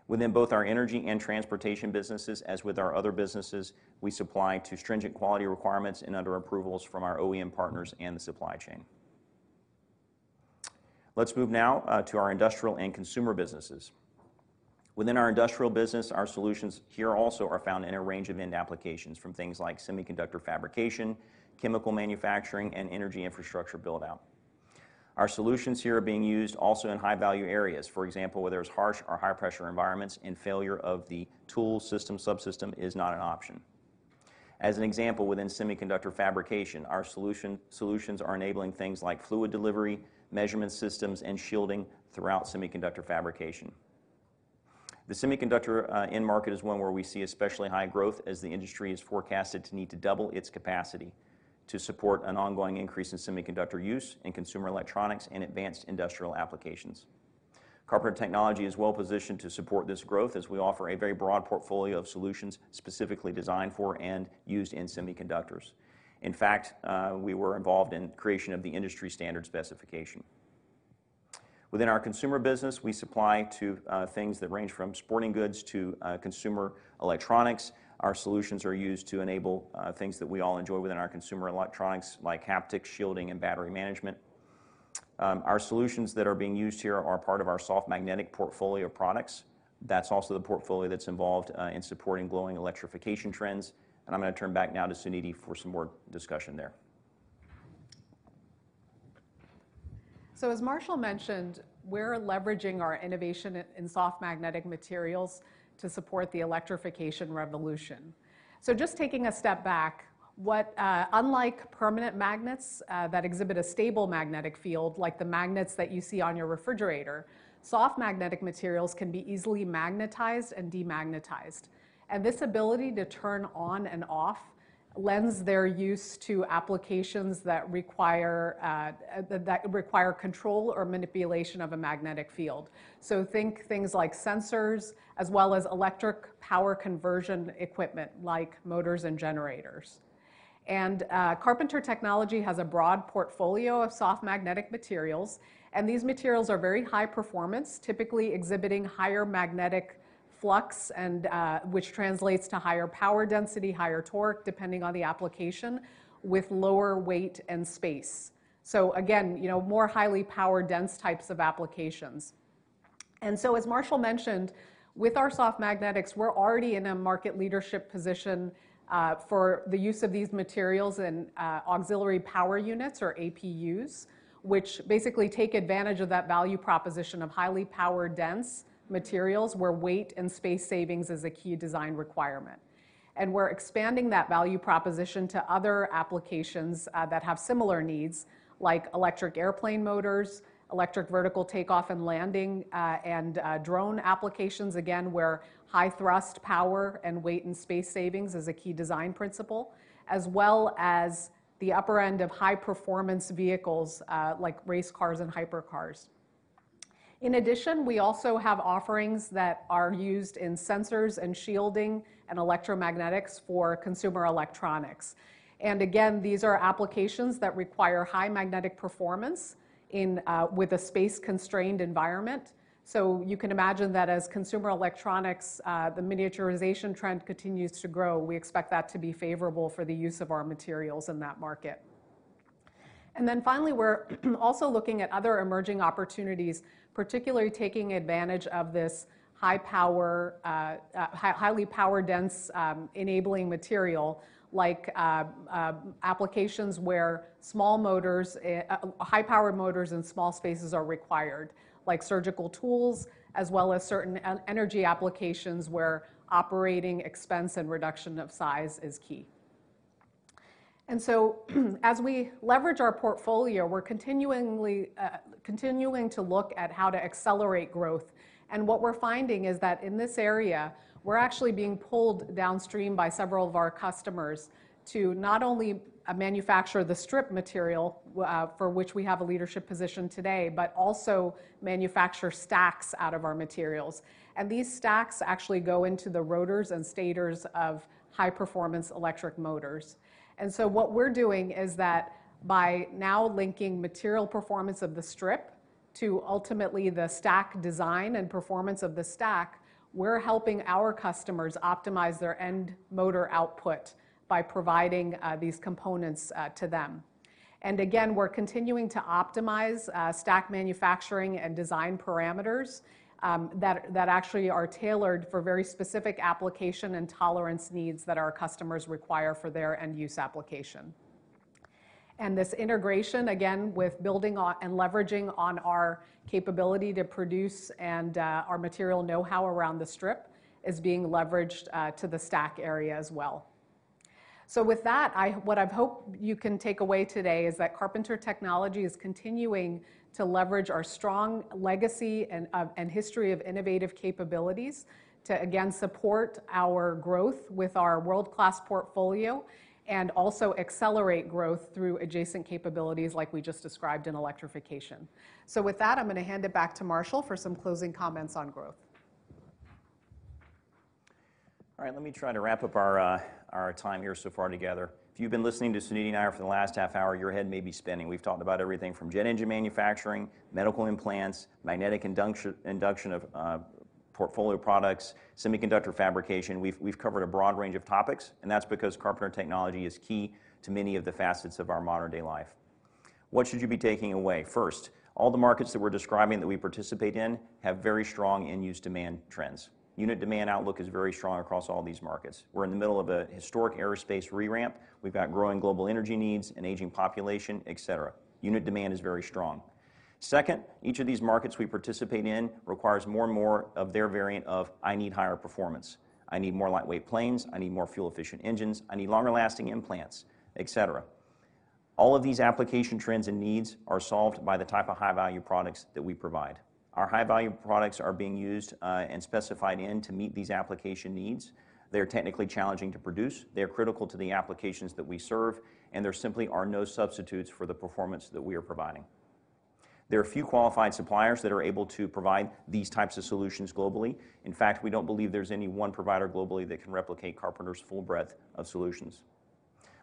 Within both our energy and transportation businesses, as with our other businesses, we supply to stringent quality requirements and under approvals from our OEM partners and the supply chain. Let's move now to our industrial and consumer businesses. Within our industrial business, our solutions here also are found in a range of end applications, from things like semiconductor fabrication, chemical manufacturing, and energy infrastructure build-out. Our solutions here are being used also in high-value areas, for example, where there's harsh or high-pressure environments and failure of the tool system, subsystem is not an option. As an example, within semiconductor fabrication, our solutions are enabling things like fluid delivery, measurement systems, and shielding throughout semiconductor fabrication. The semiconductor end market is one where we see especially high growth as the industry is forecasted to need to double its capacity to support an ongoing increase in semiconductor use in consumer electronics and advanced industrial applications. Carpenter Technology is well-positioned to support this growth as we offer a very broad portfolio of solutions specifically designed for and used in semiconductors. In fact, we were involved in creation of the industry standard specification. Within our consumer business, we supply to things that range from sporting goods to consumer electronics. Our solutions are used to enable things that we all enjoy within our consumer electronics, like haptics, shielding, and battery management. Our solutions that are being used here are part of our soft magnetics portfolio of products. That's also the portfolio that's involved in supporting growing electrification trends. I'm gonna turn back now to Suniti for some more discussion there. As Marshall mentioned, we're leveraging our innovation in soft magnetic materials to support the electrification revolution. Just taking a step back, unlike permanent magnets that exhibit a stable magnetic field like the magnets that you see on your refrigerator, soft magnetic materials can be easily magnetized and demagnetized. This ability to turn on and off lends their use to applications that require that require control or manipulation of a magnetic field. Think things like sensors as well as electric power conversion equipment like motors and generators. Carpenter Technology has a broad portfolio of soft magnetic materials, and these materials are very high performance, typically exhibiting higher magnetic flux and, which translates to higher power density, higher torque, depending on the application, with lower weight and space. Again, you know, more highly power dense types of applications. As Marshall mentioned, with our soft magnetics, we're already in a market leadership position for the use of these materials in auxiliary power units or APUs, which basically take advantage of that value proposition of highly power dense materials where weight and space savings is a key design requirement. We're expanding that value proposition to other applications that have similar needs, like electric airplane motors, Electric Vertical Takeoff and Landing, and drone applications, again, where high thrust power and weight and space savings is a key design principle, as well as the upper end of high performance vehicles, like race cars and hypercars. In addition, we also have offerings that are used in sensors and shielding and electromagnetics for consumer electronics. Again, these are applications that require high magnetic performance in with a space-constrained environment. You can imagine that as consumer electronics, the miniaturization trend continues to grow, we expect that to be favorable for the use of our materials in that market. Finally, we're also looking at other emerging opportunities, particularly taking advantage of this high power, highly power dense enabling material like applications where small motors, high-powered motors in small spaces are required, like surgical tools, as well as certain energy applications where operating expense and reduction of size is key. As we leverage our portfolio, we're continuingly continuing to look at how to accelerate growth. What we're finding is that in this area, we're actually being pulled downstream by several of our customers to not only manufacture the strip material for which we have a leadership position today, but also manufacture stacks out of our materials. These stacks actually go into the rotors and stators of high-performance electric motors. What we're doing is that by now linking material performance of the strip to ultimately the stack design and performance of the stack, we're helping our customers optimize their end motor output by providing these components to them. Again, we're continuing to optimize stack manufacturing and design parameters that actually are tailored for very specific application and tolerance needs that our customers require for their end-use application. This integration, again, with building on and leveraging on our capability to produce and our material know-how around the strip is being leveraged to the stack area as well. With that, what I've hoped you can take away today is that Carpenter Technology is continuing to leverage our strong legacy and history of innovative capabilities to again support our growth with our world-class portfolio and also accelerate growth through adjacent capabilities like we just described in electrification. With that, I'm gonna hand it back to Marshall for some closing comments on growth. All right, let me try to wrap up our time here so far together. If you've been listening to Suniti and I for the last half hour, your head may be spinning. We've talked about everything from jet engine manufacturing, medical implants, magnetic induction of portfolio products, semiconductor fabrication. We've covered a broad range of topics, and that's because Carpenter Technology is key to many of the facets of our modern-day life. What should you be taking away? First, all the markets that we're describing that we participate in have very strong end-use demand trends. Unit demand outlook is very strong across all these markets. We're in the middle of a historic aerospace re-ramp. We've got growing global energy needs, an aging population, etc.. Unit demand is very strong. Second, each of these markets we participate in requires more and more of their variant of, "I need higher performance. I need more lightweight planes. I need more fuel-efficient engines. I need longer-lasting implants," etc.. All of these application trends and needs are solved by the type of high-value products that we provide. Our high-value products are being used and specified in to meet these application needs. They're technically challenging to produce. They're critical to the applications that we serve, and there simply are no substitutes for the performance that we are providing. There are few qualified suppliers that are able to provide these types of solutions globally. In fact, we don't believe there's any one provider globally that can replicate Carpenter's full breadth of solutions.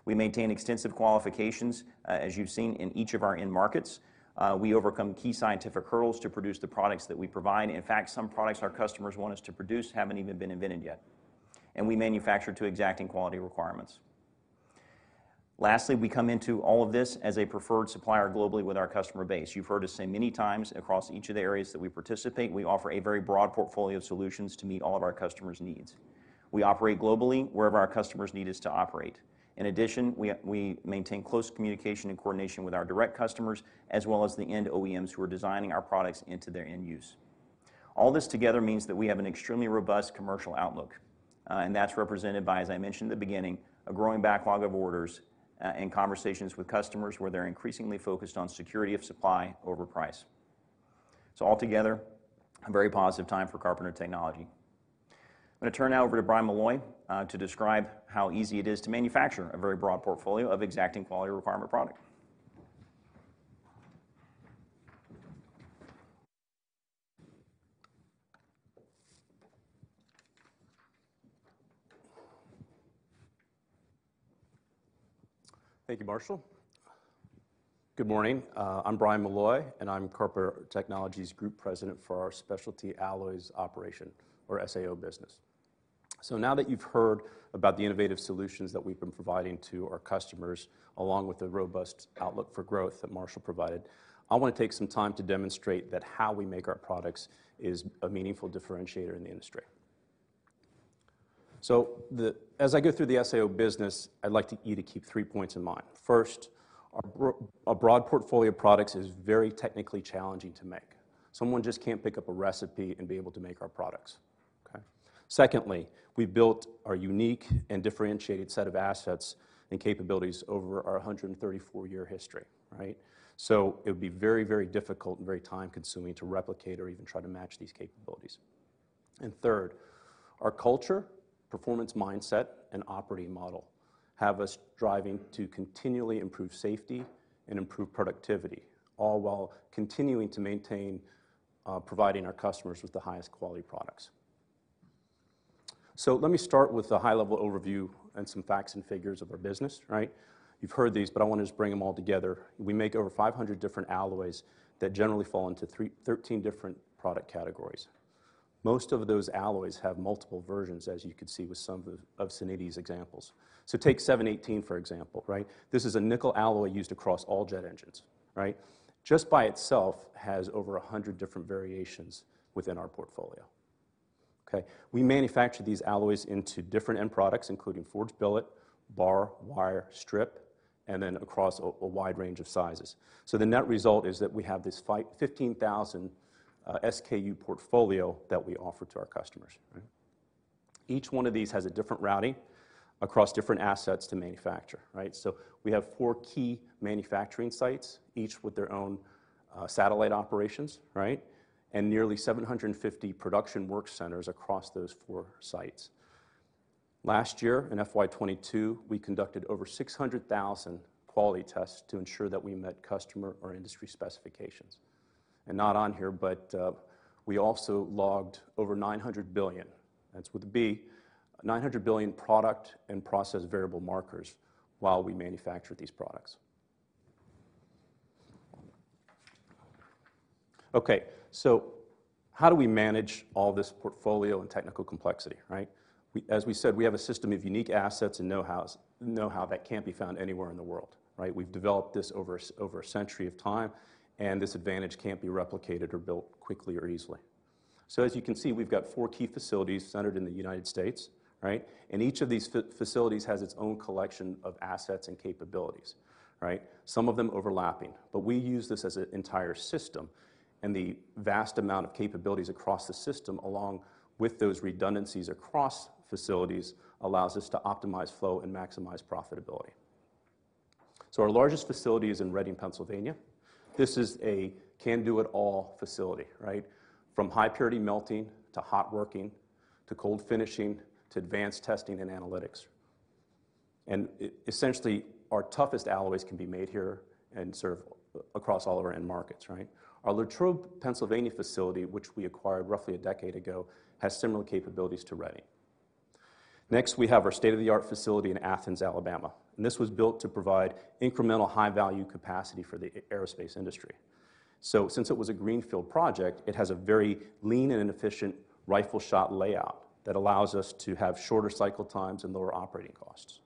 We maintain extensive qualifications, as you've seen in each of our end markets. We overcome key scientific hurdles to produce the products that we provide. In fact, some products our customers want us to produce haven't even been invented yet. We manufacture to exacting quality requirements. Lastly, we come into all of this as a preferred supplier globally with our customer base. You've heard us say many times across each of the areas that we participate, we offer a very broad portfolio of solutions to meet all of our customers' needs. We operate globally wherever our customers need us to operate. In addition, we maintain close communication and coordination with our direct customers, as well as the end OEMs who are designing our products into their end use. All this together means that we have an extremely robust commercial outlook, and that's represented by, as I mentioned at the beginning, a growing backlog of orders, and conversations with customers where they're increasingly focused on security of supply over price. Altogether, a very positive time for Carpenter Technology. I'm gonna turn now over to Brian Malloy to describe how easy it is to manufacture a very broad portfolio of exacting quality requirement product. Thank you, Marshall. Good morning, I'm Brian Malloy, and I'm Carpenter Technology Group President for our Specialty Alloys Operations, or SAO business. Now that you've heard about the innovative solutions that we've been providing to our customers, along with the robust outlook for growth that Marshall provided, I wanna take some time to demonstrate that how we make our products is a meaningful differentiator in the industry. As I go through the SAO business, I'd like you to keep three points in mind. First, our a broad portfolio of products is very technically challenging to make. Someone just can't pick up a recipe and be able to make our products. Okay? Secondly, we built our unique and differentiated set of assets and capabilities over our 13four-year history, right? It would be very, very difficult and very time-consuming to replicate or even try to match these capabilities. Third, our culture, performance mindset, and operating model have us driving to continually improve safety and improve productivity, all while continuing to maintain providing our customers with the highest quality products. Let me start with the high-level overview and some facts and figures of our business, right? You've heard these, but I want to just bring them all together. We make over 500 different alloys that generally fall into 13 different product categories. Most of those alloys have multiple versions, as you can see with some of Suniti's examples. Take Alloy 718, for example, right? This is a nickel alloy used across all jet engines, right? Just by itself, has over 100 different variations within our portfolio. Okay? We manufacture these alloys into different end products, including forged billet, bar, wire, strip, across a wide range of sizes. The net result is that we have this 15,000 SKU portfolio that we offer to our customers. Each one of these has a different routing across different assets to manufacture, right? We have 4 key manufacturing sites, each with their own satellite operations, right? Nearly 750 production work centers across those 4 sites. Last year, in FY 2022, we conducted over 600,000 quality tests to ensure that we met customer or industry specifications. Not on here, but we also logged over $900 billion, that's with a B, $900 billion product and process variable markers while we manufactured these products. Okay. How do we manage all this portfolio and technical complexity, right? As we said, we have a system of unique assets and know-how that can't be found anywhere in the world, right? We've developed this over a century of time. This advantage can't be replicated or built quickly or easily. As you can see, we've got four key facilities centered in the United States, right? Each of these facilities has its own collection of assets and capabilities, right? Some of them overlapping. We use this as an entire system, and the vast amount of capabilities across the system, along with those redundancies across facilities, allows us to optimize flow and maximize profitability. Our largest facility is in Reading, Pennsylvania. This is a can-do-it-all facility, right? From high purity melting to hot working to cold finishing to advanced testing and analytics. Essentially, our toughest alloys can be made here and serve across all of our end markets, right? Our Latrobe, Pennsylvania facility, which we acquired roughly a decade ago, has similar capabilities to Reading. We have our state-of-the-art facility in Athens, Alabama, and this was built to provide incremental high-value capacity for the aerospace industry. Since it was a greenfield project, it has a very lean and efficient rifle shot layout that allows us to have shorter cycle times and lower operating costs.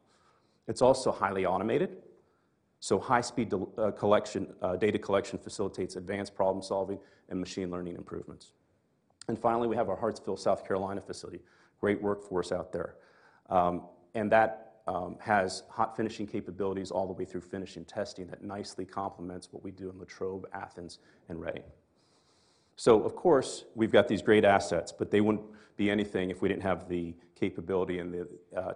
It's also highly automated, so high speed data collection facilitates advanced problem-solving and machine learning improvements. Finally, we have our Hartsville, South Carolina facility. Great workforce out there. And that has hot finishing capabilities all the way through finishing testing that nicely complements what we do in Latrobe, Athens, and Reading. Of course, we've got these great assets, but they wouldn't be anything if we didn't have the capability and the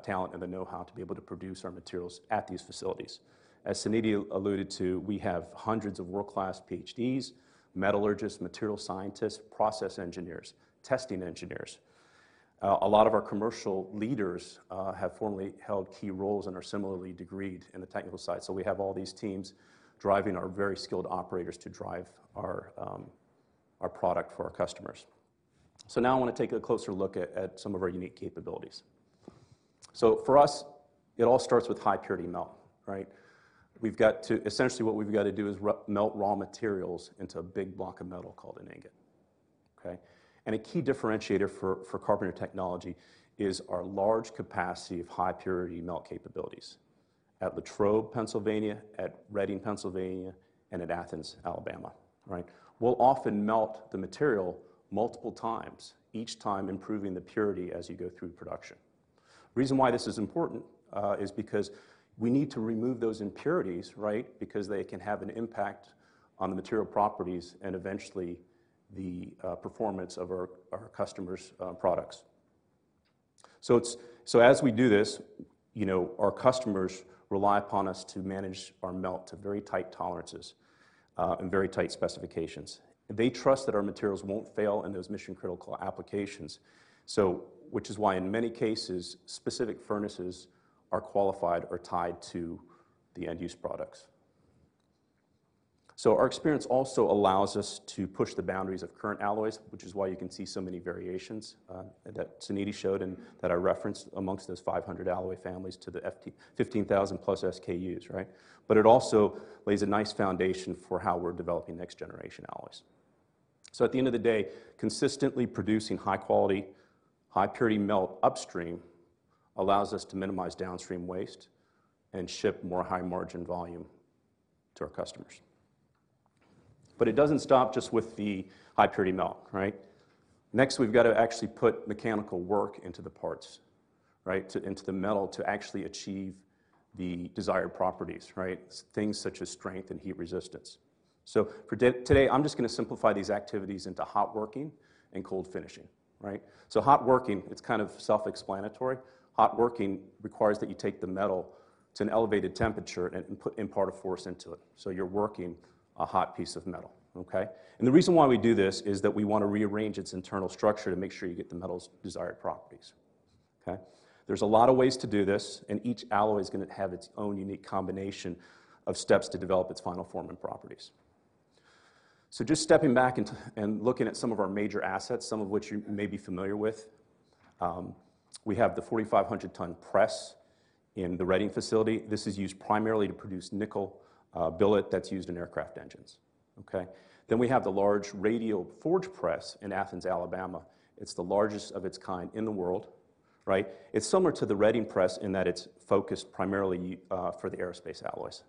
talent and the know-how to be able to produce our materials at these facilities. As Suniti alluded to, we have hundreds of world-class PhDs, metallurgists, material scientists, process engineers, testing engineers. A lot of our commercial leaders have formerly held key roles and are similarly degreed in the technical side. We have all these teams driving our very skilled operators to drive our product for our customers. Now I wanna take a closer look at some of our unique capabilities. For us, it all starts with high purity melt, right? Essentially, what we've got to do is melt raw materials into a big block of metal called an ingot. Okay? A key differentiator for Carpenter Technology is our large capacity of high purity melt capabilities at Latrobe, Pennsylvania, at Reading, Pennsylvania, and at Athens, Alabama. Right? We'll often melt the material multiple times, each time improving the purity as you go through production. Reason why this is important is because we need to remove those impurities, right, because they can have an impact on the material properties and eventually the performance of our customers' products. As we do this, you know, our customers rely upon us to manage our melt to very tight tolerances and very tight specifications. They trust that our materials won't fail in those mission-critical applications. Which is why in many cases, specific furnaces are qualified or tied to the end-use products. Our experience also allows us to push the boundaries of current alloys, which is why you can see so many variations, that Suniti showed and that I referenced amongst those 500 alloy families to the 15,000 plus SKUs, right? It also lays a nice foundation for how we're developing next generation alloys. At the end of the day, consistently producing high quality, high purity melt upstream allows us to minimize downstream waste and ship more high margin volume to our customers. It doesn't stop just with the high purity melt, right? Next, we've got to actually put mechanical work into the parts, right, into the metal to actually achieve the desired properties, right? Things such as strength and heat resistance. For today, I'm just gonna simplify these activities into hot working and cold finishing, right? Hot working, it's kind of self-explanatory. Hot working requires that you take the metal to an elevated temperature and impart a force into it, so you're working a hot piece of metal. Okay? The reason why we do this is that we wanna rearrange its internal structure to make sure you get the metal's desired properties. Okay? There's a lot of ways to do this, and each alloy is gonna have its own unique combination of steps to develop its final form and properties. Just stepping back and looking at some of our major assets, some of which you may be familiar with. We have the 4,500-ton press in the Reading facility. This is used primarily to produce nickel billet that's used in aircraft engines. Okay? We have the large radial forge press in Athens, Alabama. It's the largest of its kind in the world, right? It's similar to the Reading press in that it's focused primarily for the aerospace alloys.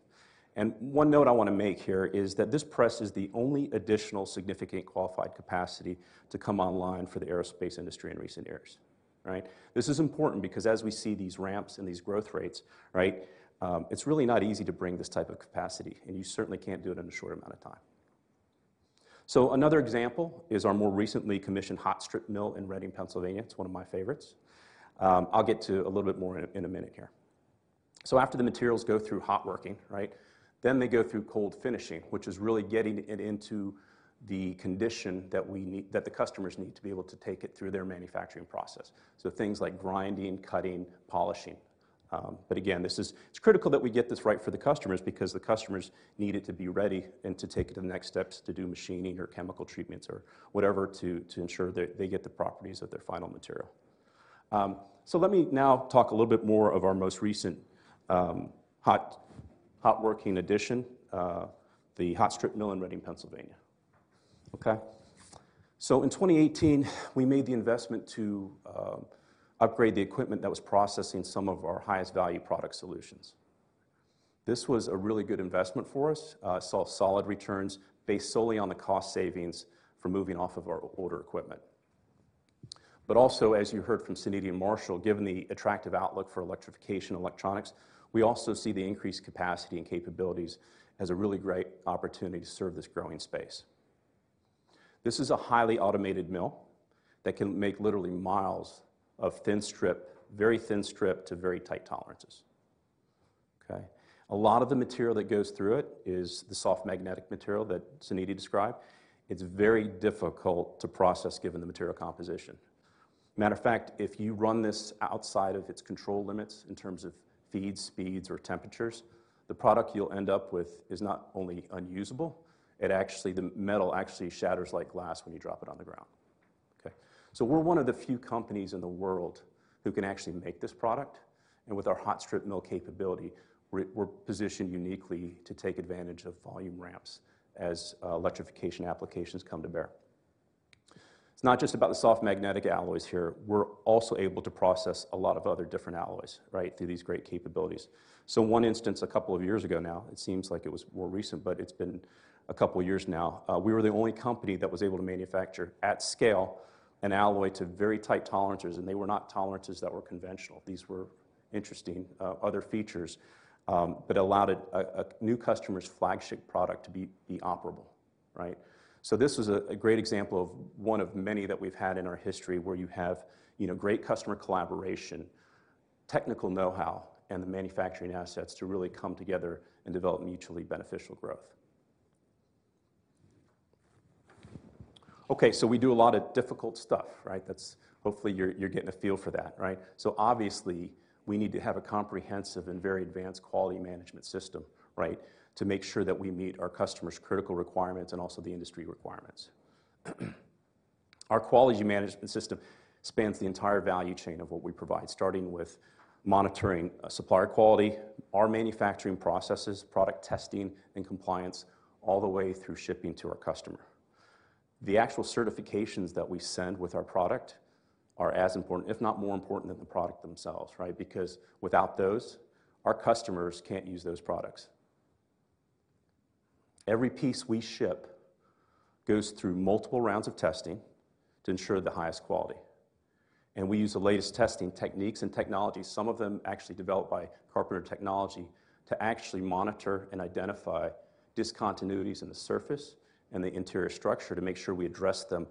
One note I wanna make here is that this press is the only additional significant qualified capacity to come online for the aerospace industry in recent years, right? This is important because as we see these ramps and these growth rates, right, it's really not easy to bring this type of capacity, and you certainly can't do it in a short amount of time. Another example is our more recently commissioned hot strip mill in Reading, Pennsylvania. It's one of my favorites. I'll get to a little bit more in a minute here. After the materials go through hot working, right, then they go through cold finishing, which is really getting it into the condition that the customers need to be able to take it through their manufacturing process. Things like grinding, cutting, polishing. Again, it's critical that we get this right for the customers because the customers need it to be ready and to take the next steps to do machining or chemical treatments or whatever to ensure they get the properties of their final material. Let me now talk a little bit more of our most recent hot working addition, the hot strip mill in Reading, Pennsylvania. Okay? In 2018, we made the investment to upgrade the equipment that was processing some of our highest value product solutions. This was a really good investment for us. Saw solid returns based solely on the cost savings from moving off of our older equipment. Also, as you heard from Suniti and Marshall, given the attractive outlook for electrification and electronics, we also see the increased capacity and capabilities as a really great opportunity to serve this growing space. This is a highly automated mill that can make literally miles of thin strip, very thin strip to very tight tolerances. Okay? A lot of the material that goes through it is the soft magnetic material that Suniti described. It's very difficult to process given the material composition. Matter of fact, if you run this outside of its control limits in terms of feeds, speeds, or temperatures, the product you'll end up with is not only unusable, the metal actually shatters like glass when you drop it on the ground. Okay. We're one of the few companies in the world who can actually make this product. With our hot strip mill capability, we're positioned uniquely to take advantage of volume ramps as electrification applications come to bear. It's not just about the soft magnetic alloys here. We're also able to process a lot of other different alloys, right, through these great capabilities. One instance a couple of years ago now, it seems like it was more recent, but it's been a couple of years now. We were the only company that was able to manufacture at scale an alloy to very tight tolerances. They were not tolerances that were conventional. These were interesting other features, but allowed a new customer's flagship product to be operable. Right? This is a great example of one of many that we've had in our history where you have, you know, great customer collaboration, technical know-how, and the manufacturing assets to really come together and develop mutually beneficial growth. We do a lot of difficult stuff, right? Hopefully you're getting a feel for that, right? Obviously, we need to have a comprehensive and very advanced quality management system to make sure that we meet our customers' critical requirements and also the industry requirements. Our quality management system spans the entire value chain of what we provide, starting with monitoring, supplier quality, our manufacturing processes, product testing and compliance, all the way through shipping to our customer. The actual certifications that we send with our product are as important, if not more important than the product themselves, right? Because without those, our customers can't use those products. Every piece we ship goes through multiple rounds of testing to ensure the highest quality, and we use the latest testing techniques and technologies, some of them actually developed by Carpenter Technology, to actually monitor and identify discontinuities in the surface and the interior structure to make sure we address them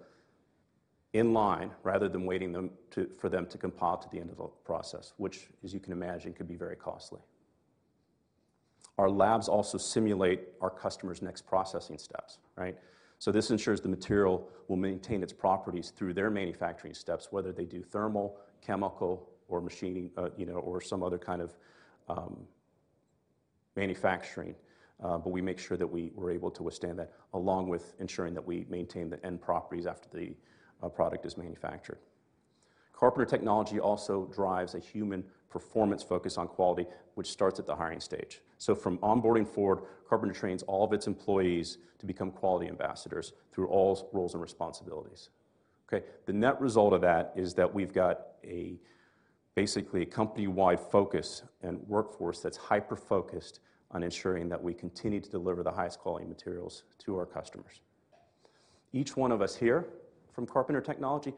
in line rather than waiting for them to compile to the end of a process, which as you can imagine, could be very costly. Our labs also simulate our customers' next processing steps, right? This ensures the material will maintain its properties through their manufacturing steps, whether they do thermal, chemical, or machining, you know, or some other kind of manufacturing. We make sure that we're able to withstand that, along with ensuring that we maintain the end properties after the product is manufactured. Carpenter Technology also drives a human performance focus on quality, which starts at the hiring stage. From onboarding forward, Carpenter trains all of its employees to become quality ambassadors through all roles and responsibilities. Okay. The net result of that is that we've got a basically company-wide focus and workforce that's hyper-focused on ensuring that we continue to deliver the highest quality materials to our customers. Each one of us here from Carpenter Technology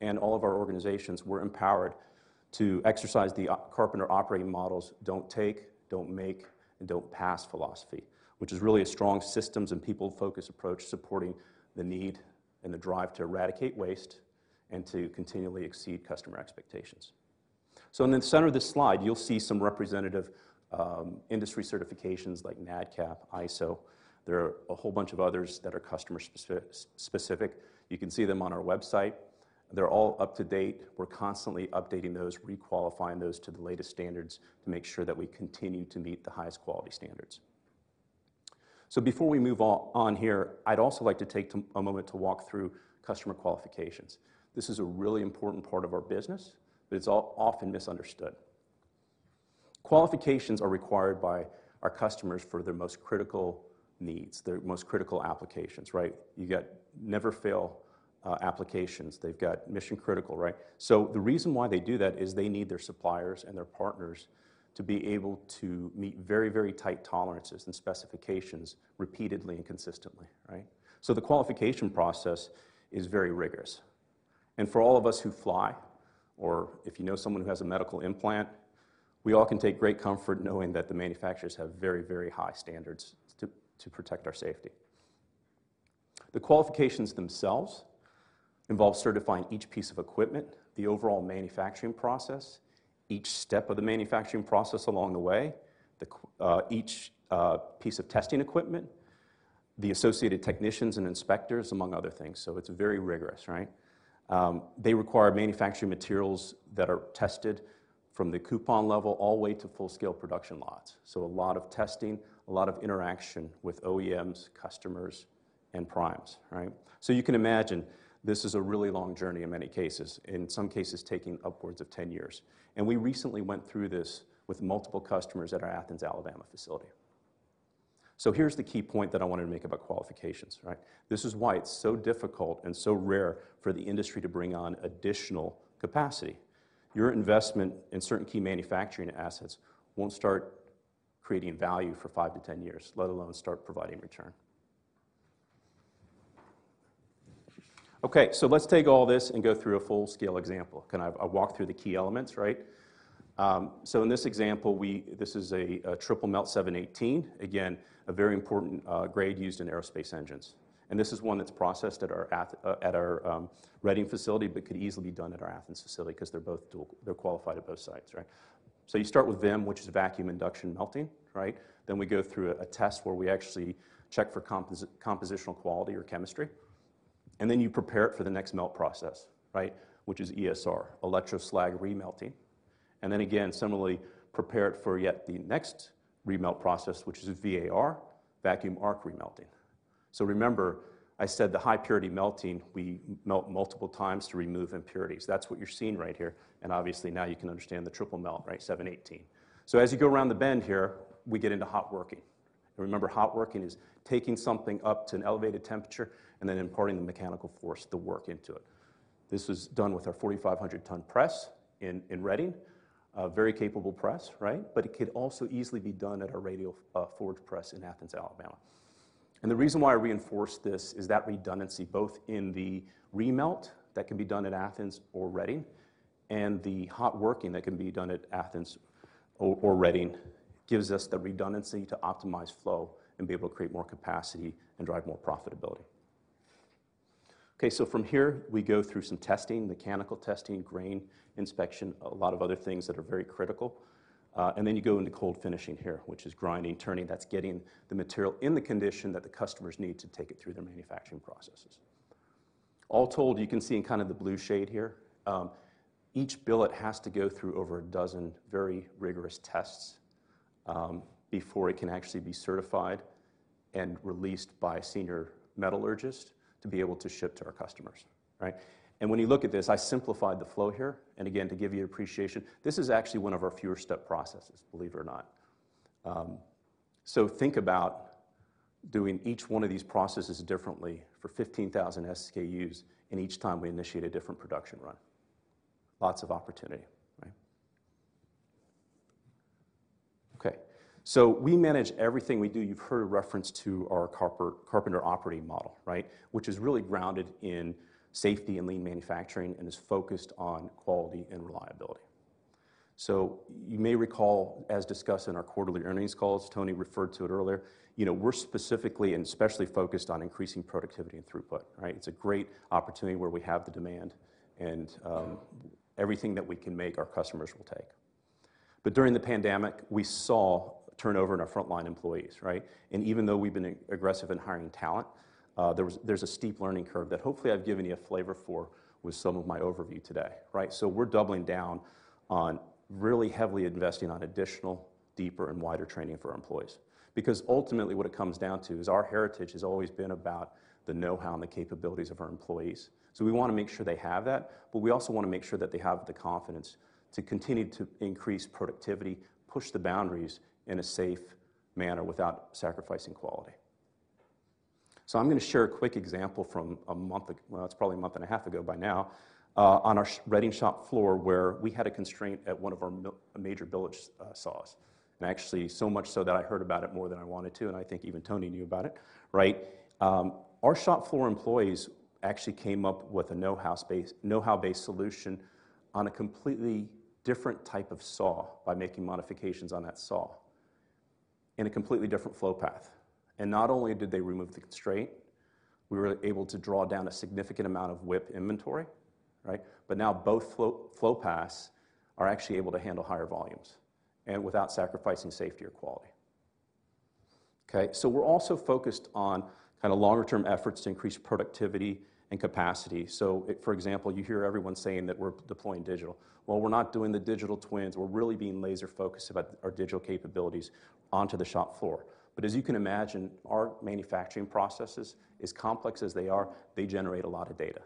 and all of our organizations, we're empowered to exercise the Carpenter Operating Models, don't take, Don't Make, and Don't Pass philosophy, which is really a strong systems and people-focused approach supporting the need and the drive to eradicate waste and to continually exceed customer expectations. In the center of this slide, you'll see some representative industry certifications like NADCAP, ISO. There are a whole bunch of others that are customer specific. You can see them on our website. They're all up to date. We're constantly updating those, re-qualifying those to the latest standards to make sure that we continue to meet the highest quality standards. Before we move on here, I'd also like to take a moment to walk through customer qualifications. This is a really important part of our business. It's often misunderstood. Qualifications are required by our customers for their most critical needs, their most critical applications, right? You got never fail applications. They've got mission-critical, right? The reason why they do that is they need their suppliers and their partners to be able to meet very, very tight tolerances and specifications repeatedly and consistently, right? The qualification process is very rigorous. For all of us who fly, or if you know someone who has a medical implant, we all can take great comfort knowing that the manufacturers have very, very high standards to protect our safety. The qualifications themselves involve certifying each piece of equipment, the overall manufacturing process, each step of the manufacturing process along the way, each piece of testing equipment, the associated technicians and inspectors, among other things. It's very rigorous, right? They require manufacturing materials that are tested from the coupon level all the way to full-scale production lots. A lot of testing, a lot of interaction with OEMs, customers, and primes, right? You can imagine this is a really long journey in many cases, in some cases taking upwards of 10 years. We recently went through this with multiple customers at our Athens, Alabama facility. Here's the key point that I wanted to make about qualifications, right? This is why it's so difficult and so rare for the industry to bring on additional capacity. Your investment in certain key manufacturing assets won't start creating value for 5-10 years, let alone start providing return. Let's take all this and go through a full-scale example. I'll walk through the key elements, right? In this example, this is a Triple Melt Alloy 718. Again, a very important grade used in aerospace engines. This is one that's processed at our Reading facility, but could easily be done at our Athens facility 'cause they're qualified at both sites, right? You start with VIM, which is Vacuum Induction Melting, right? We go through a test where we actually check for compositional quality or chemistry, and then you prepare it for the next melt process, right, which is ESR, Electroslag Remelting. Again, similarly, prepare it for yet the next remelt process, which is VAR, vacuum arc remelting. Remember I said the high purity melting, we melt multiple times to remove impurities. That's what you're seeing right here, and obviously now you can understand the Triple Melt Alloy 718. As you go around the bend here, we get into hot working. Remember, hot working is taking something up to an elevated temperature and then imparting the mechanical force, the work into it. This was done with our 4,500-ton press in Reading. A very capable press, right? It could also easily be done at our radial forge press in Athens, Alabama. The reason why I reinforce this is that redundancy both in the remelt that can be done at Athens or Reading, and the hot working that can be done at Athens or Reading, gives us the redundancy to optimize flow and be able to create more capacity and drive more profitability. From here, we go through some testing, mechanical testing, grain inspection, a lot of other things that are very critical. You go into cold finishing here, which is grinding, turning. That's getting the material in the condition that the customers need to take it through their manufacturing processes. All told, you can see in kind of the blue shade here, each billet has to go through over a dozen very rigorous tests before it can actually be certified and released by senior metallurgist to be able to ship to our customers, right? When you look at this, I simplified the flow here. Again, to give you appreciation, this is actually one of our fewer step processes, believe it or not. Think about doing each one of these processes differently for 15,000 SKUs, and each time we initiate a different production run. Lots of opportunity, right? We manage everything we do. You've heard a reference to our Carpenter Operating Model, right? Which is really grounded in safety and lean manufacturing and is focused on quality and reliability. You may recall, as discussed in our quarterly earnings calls, Tony referred to it earlier, you know, we're specifically and specially focused on increasing productivity and throughput, right? It's a great opportunity where we have the demand and everything that we can make, our customers will take. During the pandemic, we saw turnover in our frontline employees, right? Even though we've been aggressive in hiring talent, there's a steep learning curve that hopefully I've given you a flavor for with some of my overview today, right? We're doubling down on really heavily investing on additional deeper and wider training for our employees. Ultimately, what it comes down to is our heritage has always been about the know-how and the capabilities of our employees. We wanna make sure they have that, but we also wanna make sure that they have the confidence to continue to increase productivity, push the boundaries in a safe manner without sacrificing quality. I'm gonna share a quick example from a month ago. Well, it's probably a month and a half ago by now, on our reading shop floor where we had a constraint at one of our major billet saws. Actually, so much so that I heard about it more than I wanted to, and I think even Tony knew about it, right? Our shop floor employees actually came up with a know-how-based solution on a completely different type of saw by making modifications on that saw in a completely different flow path. Not only did they remove the constraint, we were able to draw down a significant amount of WIP inventory, right? Now both flow paths are actually able to handle higher volumes and without sacrificing safety or quality. Okay. We're also focused on kinda longer-term efforts to increase productivity and capacity. For example, you hear everyone saying that we're deploying digital. Well, we're not doing the digital twins. We're really being laser-focused about our digital capabilities onto the shop floor. As you can imagine, our manufacturing processes, as complex as they are, they generate a lot of data.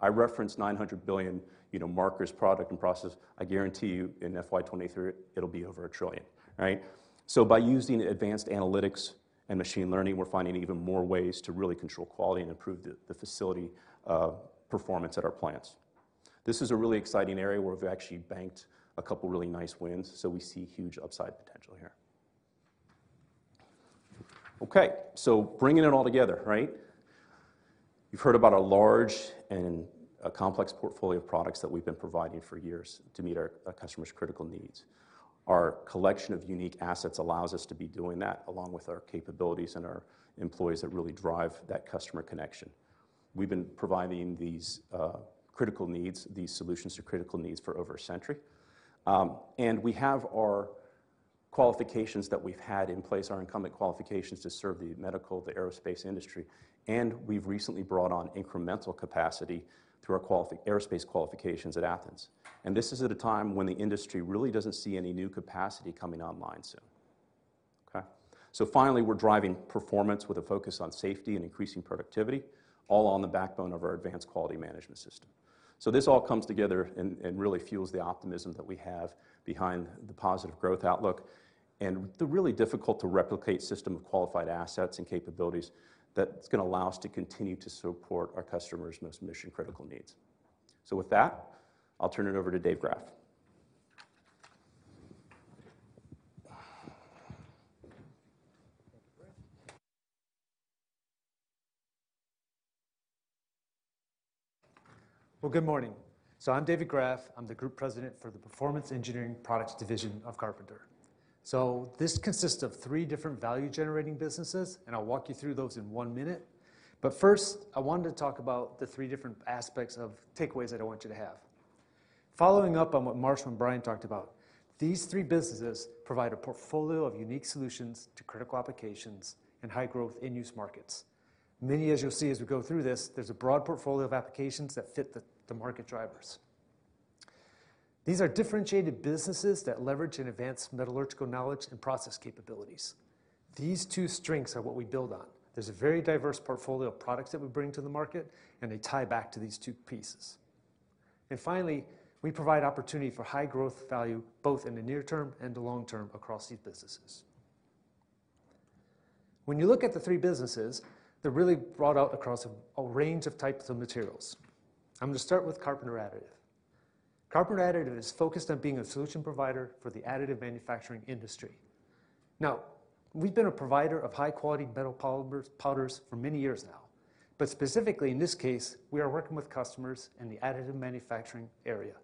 I referenced 900 billion, you know, markers, product, and process. I guarantee you in FY 2023, it'll be over $1 trillion, right? By using advanced analytics and machine learning, we're finding even more ways to really control quality and improve the facility performance at our plants. This is a really exciting area where we've actually banked a couple of really nice wins, so we see huge upside potential here. Okay. Bringing it all together, right? You've heard about our large and a complex portfolio of products that we've been providing for years to meet our customers' critical needs. Our collection of unique assets allows us to be doing that along with our capabilities and our employees that really drive that customer connection. We've been providing these critical needs, these solutions to critical needs for over a century. We have our qualifications that we've had in place, our incumbent qualifications to serve the medical, the aerospace industry, and we've recently brought on incremental capacity through our aerospace qualifications at Athens. This is at a time when the industry really doesn't see any new capacity coming online soon. Okay. Finally, we're driving performance with a focus on safety and increasing productivity, all on the backbone of our advanced quality management system. This all comes together and really fuels the optimism that we have behind the positive growth outlook and the really difficult to replicate system of qualified assets and capabilities that's gonna allow us to continue to support our customers' most mission-critical needs. With that, I'll turn it over to David Graf. Thank you, Brian. Well, good morning. I'm David Graf. I'm the group president for the Performance Engineered Products division of Carpenter. This consists of three different value-generating businesses, and I'll walk you through those in one minute. First, I wanted to talk about the three different aspects of takeaways that I want you to have. Following up on what Marsh and Brian talked about, these three businesses provide a portfolio of unique solutions to critical applications and high-growth end-use markets. Many, as you'll see as we go through this, there's a broad portfolio of applications that fit the market drivers. These are differentiated businesses that leverage and advance metallurgical knowledge and process capabilities. These two strengths are what we build on. There's a very diverse portfolio of products that we bring to the market, and they tie back to these two pieces. Finally, we provide opportunity for high-growth value, both in the near term and the long term across these businesses. When you look at the three businesses, they're really brought out across a range of types of materials. I'm going to start with Carpenter Additive. Carpenter Additive is focused on being a solution provider for the additive manufacturing industry. Now, we've been a provider of high-quality metal powders for many years now. Specifically, in this case, we are working with customers in the additive manufacturing area.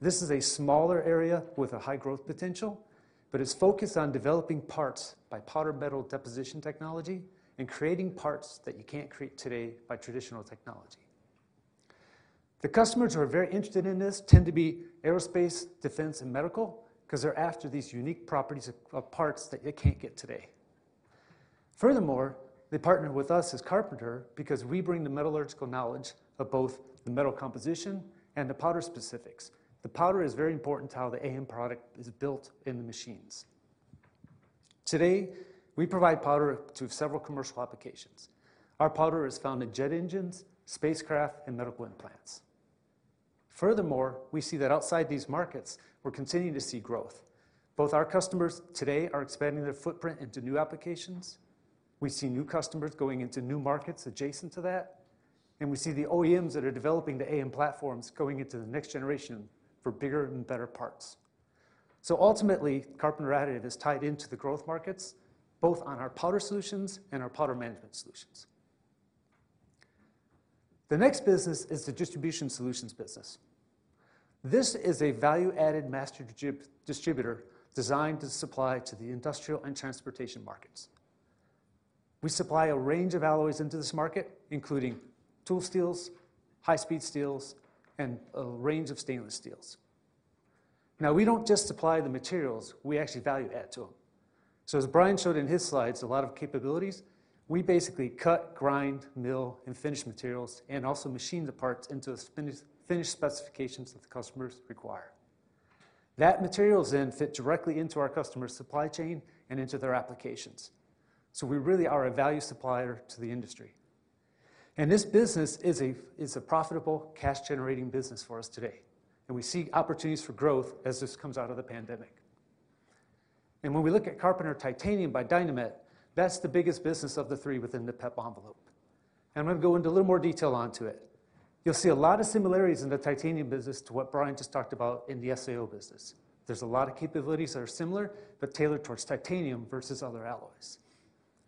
This is a smaller area with a high growth potential, but it's focused on developing parts by Powder Metal Deposition technology and creating parts that you can't create today by traditional technology. The customers who are very interested in this tend to be aerospace, defense, and medical because they're after these unique properties of parts that you can't get today. They partner with us as Carpenter because we bring the metallurgical knowledge of both the metal composition and the powder specifics. The powder is very important to how the AM product is built in the machines. Today, we provide powder to several commercial applications. Our powder is found in jet engines, spacecraft, and medical implants. We see that outside these markets, we're continuing to see growth. Both our customers today are expanding their footprint into new applications. We see new customers going into new markets adjacent to that. We see the OEMs that are developing the AM platforms going into the next generation for bigger and better parts. Ultimately, Carpenter Additive is tied into the growth markets, both on our powder solutions and our powder management solutions. The next business is the Distribution Solutions business. This is a value-added master distributor designed to supply to the industrial and transportation markets. We supply a range of alloys into this market, including tool steels, high-speed steels, and a range of stainless steels. We don't just supply the materials, we actually value add to them. As Brian showed in his slides, a lot of capabilities, we basically cut, grind, mill, and finish materials, and also machine the parts into a finished specifications that the customers require. That materials then fit directly into our customer's supply chain and into their applications. We really are a value supplier to the industry. This business is a profitable cash-generating business for us today. We see opportunities for growth as this comes out of the pandemic. When we look at Carpenter Titanium by Dynamet, that's the biggest business of the three within the PEP envelope. I'm gonna go into a little more detail onto it. You'll see a lot of similarities in the titanium business to what Brian Malloy just talked about in the SAO business. There's a lot of capabilities that are similar, but tailored towards titanium versus other alloys.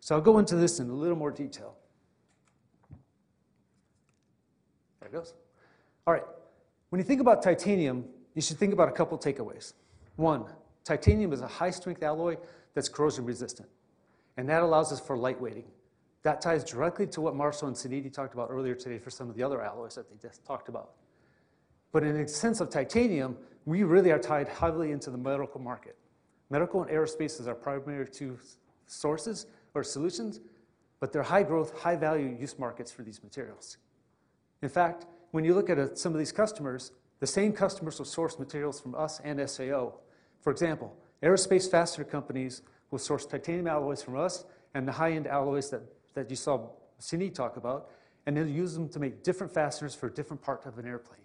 I'll go into this in a little more detail. There it goes. All right. When you think about titanium, you should think about a couple takeaways. One, titanium is a high-strength alloy that's corrosion resistant, and that allows us for lightweighting. That ties directly to what Marshall Souve and Sandeep Singh talked about earlier today for some of the other alloys that they just talked about. In the sense of titanium, we really are tied heavily into the medical market. Medical and aerospace is our primary two sources or solutions, they're high growth, high value use markets for these materials. In fact, when you look at some of these customers, the same customers will source materials from us and SAO. For example, aerospace fastener companies will source titanium alloys from us and the high-end alloys that you saw Sandeep talk about, they'll use them to make different fasteners for different parts of an airplane.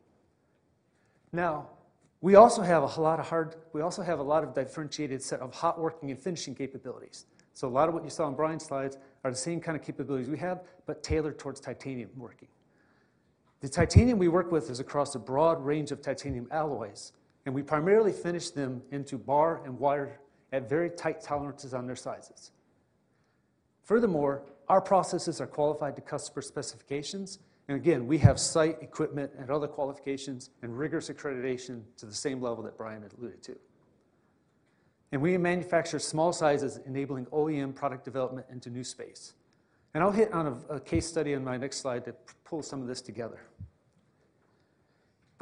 We also have a lot of differentiated set of hot working and finishing capabilities. A lot of what you saw on Brian's slides are the same kind of capabilities we have, tailored towards titanium working. The titanium we work with is across a broad range of titanium alloys, and we primarily finish them into bar and wire at very tight tolerances on their sizes. Furthermore, our processes are qualified to customer specifications. Again, we have site equipment and other qualifications and rigorous accreditation to the same level that Brian had alluded to. We manufacture small sizes enabling OEM product development into new space. I'll hit on a case study in my next slide that pulls some of this together.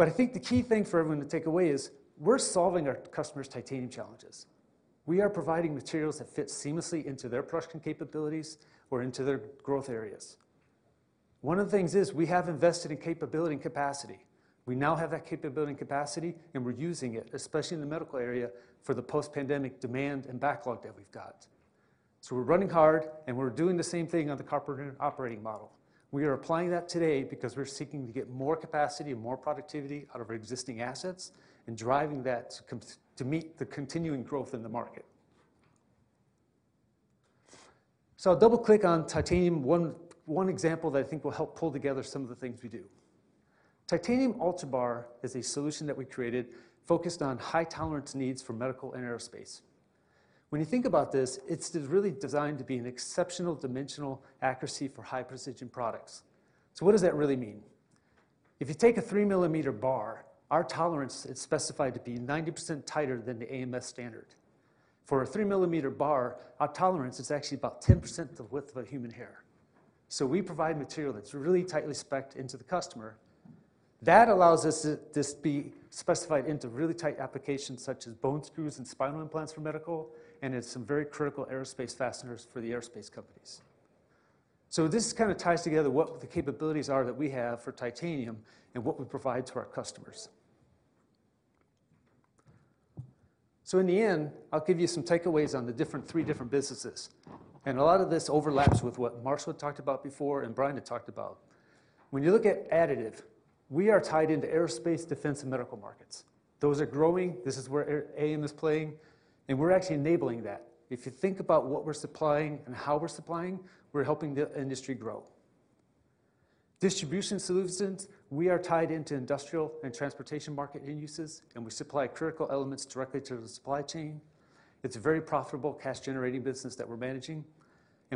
I think the key thing for everyone to take away is we're solving our customers' titanium challenges. We are providing materials that fit seamlessly into their crushing capabilities or into their growth areas. One of the things is we have invested in capability and capacity. We now have that capability and capacity, and we're using it, especially in the medical area for the post-pandemic demand and backlog that we've got. We're running hard, and we're doing the same thing on the Carpenter Operating Model. We are applying that today because we're seeking to get more capacity and more productivity out of our existing assets and driving that to meet the continuing growth in the market. I'll double-click on titanium, one example that I think will help pull together some of the things we do. Titanium UltiBar is a solution that we created focused on high tolerance needs for medical and aerospace. When you think about this, it's just really designed to be an exceptional dimensional accuracy for high precision products. What does that really mean? If you take a 3-millimeter bar, our tolerance is specified to be 90% tighter than the AMS standard. For a 3-millimeter bar, our tolerance is actually about 10% the width of a human hair. We provide material that's really tightly specced into the customer. That allows us to, this be specified into really tight applications such as bone screws and spinal implants for medical and in some very critical aerospace fasteners for the aerospace companies. This kind of ties together what the capabilities are that we have for titanium and what we provide to our customers. In the end, I'll give you some takeaways on the different, three different businesses. A lot of this overlaps with what Marshall talked about before and Brian had talked about. When you look at Additive, we are tied into aerospace, defense, and medical markets. Those are growing. This is where AM is playing, we're actually enabling that. If you think about what we're supplying and how we're supplying, we're helping the industry grow. Distribution Solutions, we are tied into industrial and transportation market end uses, we supply critical elements directly to the supply chain. It's a very profitable cash-generating business that we're managing,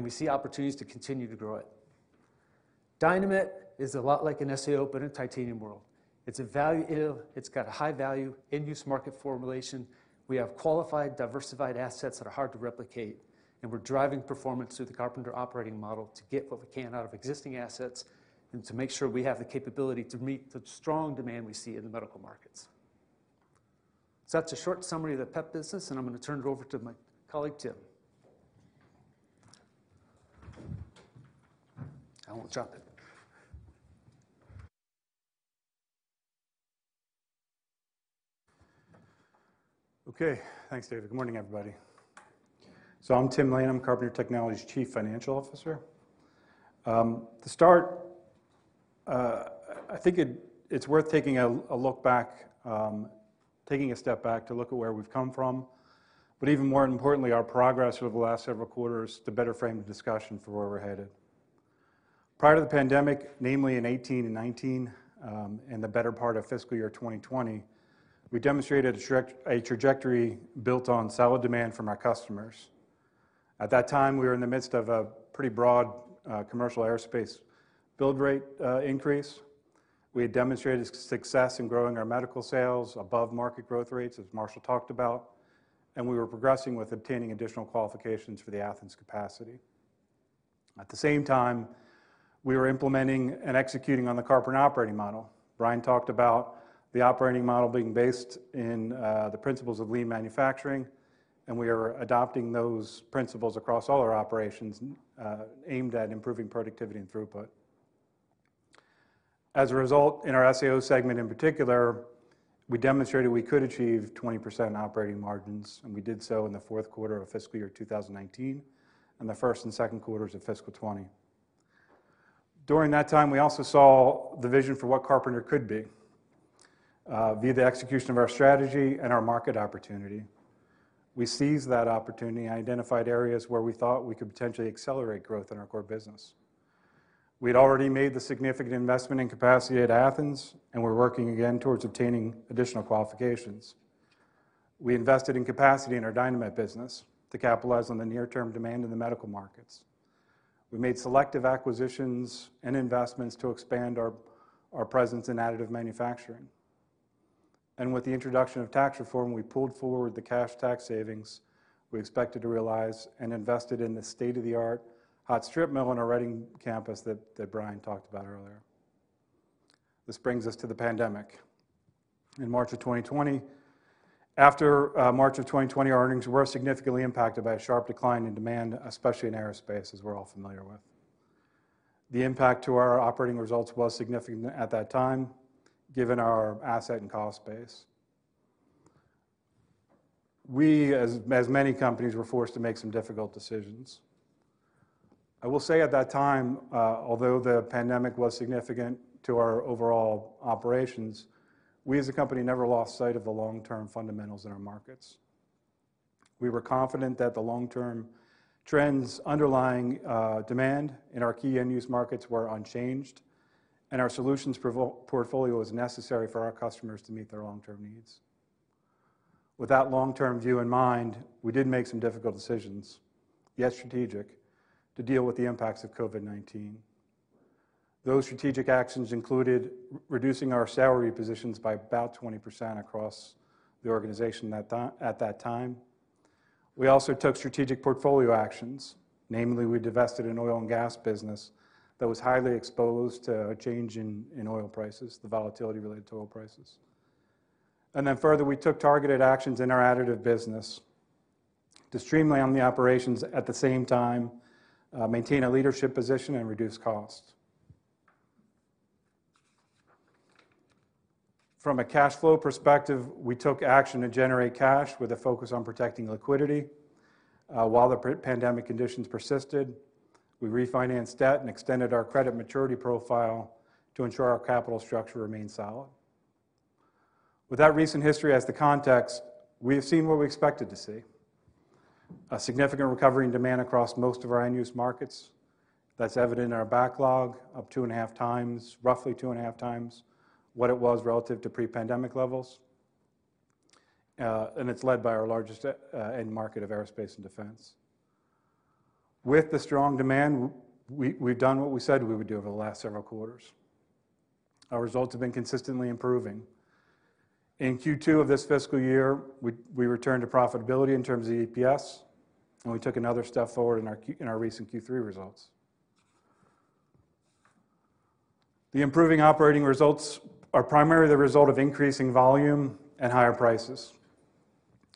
we see opportunities to continue to grow it. Dynamet is a lot like an SAO, but in titanium world. It's a value add. It's got a high value end use market formulation. We have qualified, diversified assets that are hard to replicate, we're driving performance through the Carpenter Operating Model to get what we can out of existing assets and to make sure we have the capability to meet the strong demand we see in the medical markets. That's a short summary of the PEP business, and I'm gonna turn it over to my colleague, Tim. I won't drop it. Okay, thanks, David. Good morning, everybody. I'm Tim Lane. I'm Carpenter Technology's Chief Financial Officer. To start, I think it's worth taking a look back, taking a step back to look at where we've come from, but even more importantly, our progress over the last several quarters to better frame the discussion for where we're headed. Prior to the pandemic, namely in 2018 and 2019, and the better part of fiscal year 2020, we demonstrated a trajectory built on solid demand from our customers. At that time, we were in the midst of a pretty broad commercial aerospace build rate increase. We had demonstrated success in growing our medical sales above market growth rates, as Marshall talked about, and we were progressing with obtaining additional qualifications for the Athens capacity. At the same time, we were implementing and executing on the Carpenter Operating Model. Brian talked about the Operating Model being based in the principles of lean manufacturing, we are adopting those principles across all our operations, aimed at improving productivity and throughput. As a result, in our SAO segment in particular, we demonstrated we could achieve 20% operating margins. We did so in the fourth quarter of fiscal year 2019 and the first and second quarters of fiscal 20. During that time, we also saw the vision for what Carpenter could be, via the execution of our strategy and our market opportunity. We seized that opportunity and identified areas where we thought we could potentially accelerate growth in our core business. We'd already made the significant investment in capacity at Athens, and we're working again towards obtaining additional qualifications. We invested in capacity in our Dynamet business to capitalize on the near-term demand in the medical markets. We made selective acquisitions and investments to expand our presence in additive manufacturing. With the introduction of tax reform, we pulled forward the cash tax savings we expected to realize and invested in the state-of-the-art hot strip mill in our Reading campus that Brian talked about earlier. This brings us to the pandemic. In March of 2020, our earnings were significantly impacted by a sharp decline in demand, especially in aerospace, as we're all familiar with. The impact to our operating results was significant at that time, given our asset and cost base. We, as many companies, were forced to make some difficult decisions. I will say at that time, although the pandemic was significant to our overall operations, we as a company never lost sight of the long-term fundamentals in our markets. We were confident that the long-term trends underlying demand in our key end-use markets were unchanged and our solutions portfolio was necessary for our customers to meet their long-term needs. With that long-term view in mind, we did make some difficult decisions, yet strategic, to deal with the impacts of COVID-19. Those strategic actions included reducing our salary positions by about 20% across the organization at that time. We also took strategic portfolio actions. Namely, we divested an oil and gas business that was highly exposed to a change in oil prices, the volatility related to oil prices. Further, we took targeted actions in our additive business to streamline the operations at the same time, maintain a leadership position and reduce costs. From a cash flow perspective, we took action to generate cash with a focus on protecting liquidity. While the pandemic conditions persisted, we refinanced debt and extended our credit maturity profile to ensure our capital structure remained solid. With that recent history as the context, we have seen what we expected to see, a significant recovery in demand across most of our end-use markets. That's evident in our backlog, up 2.5 times, roughly 2.5 times what it was relative to pre-pandemic levels. It's led by our largest end market of aerospace and defense. With the strong demand, we've done what we said we would do over the last several quarters. Our results have been consistently improving. In Q2 of this fiscal year, we returned to profitability in terms of EPS, we took another step forward in our recent Q3 results. The improving operating results are primarily the result of increasing volume and higher prices.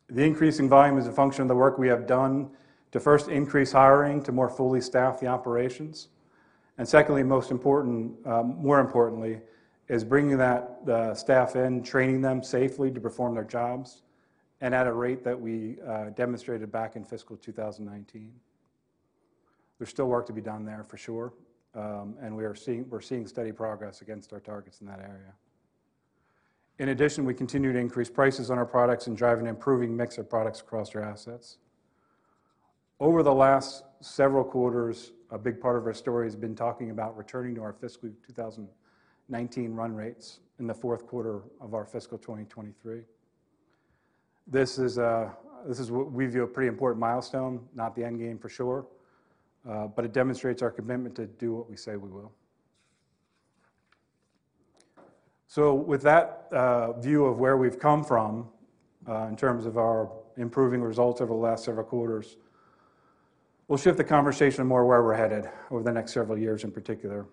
The increase in volume is a function of the work we have done to first increase hiring to more fully staff the operations. Secondly, most important, more importantly, is bringing the staff in, training them safely to perform their jobs and at a rate that we demonstrated back in fiscal 2019. There's still work to be done there for sure, we're seeing steady progress against our targets in that area. In addition, we continue to increase prices on our products and drive an improving mix of products across our assets. Over the last several quarters, a big part of our story has been talking about returning to our fiscal 2019 run rates in the fourth quarter of our fiscal 2023. This is what we view a pretty important milestone, not the end game for sure, but it demonstrates our commitment to do what we say we will. With that view of where we've come from, in terms of our improving results over the last several quarters, we'll shift the conversation more where we're headed over the next several years in particular.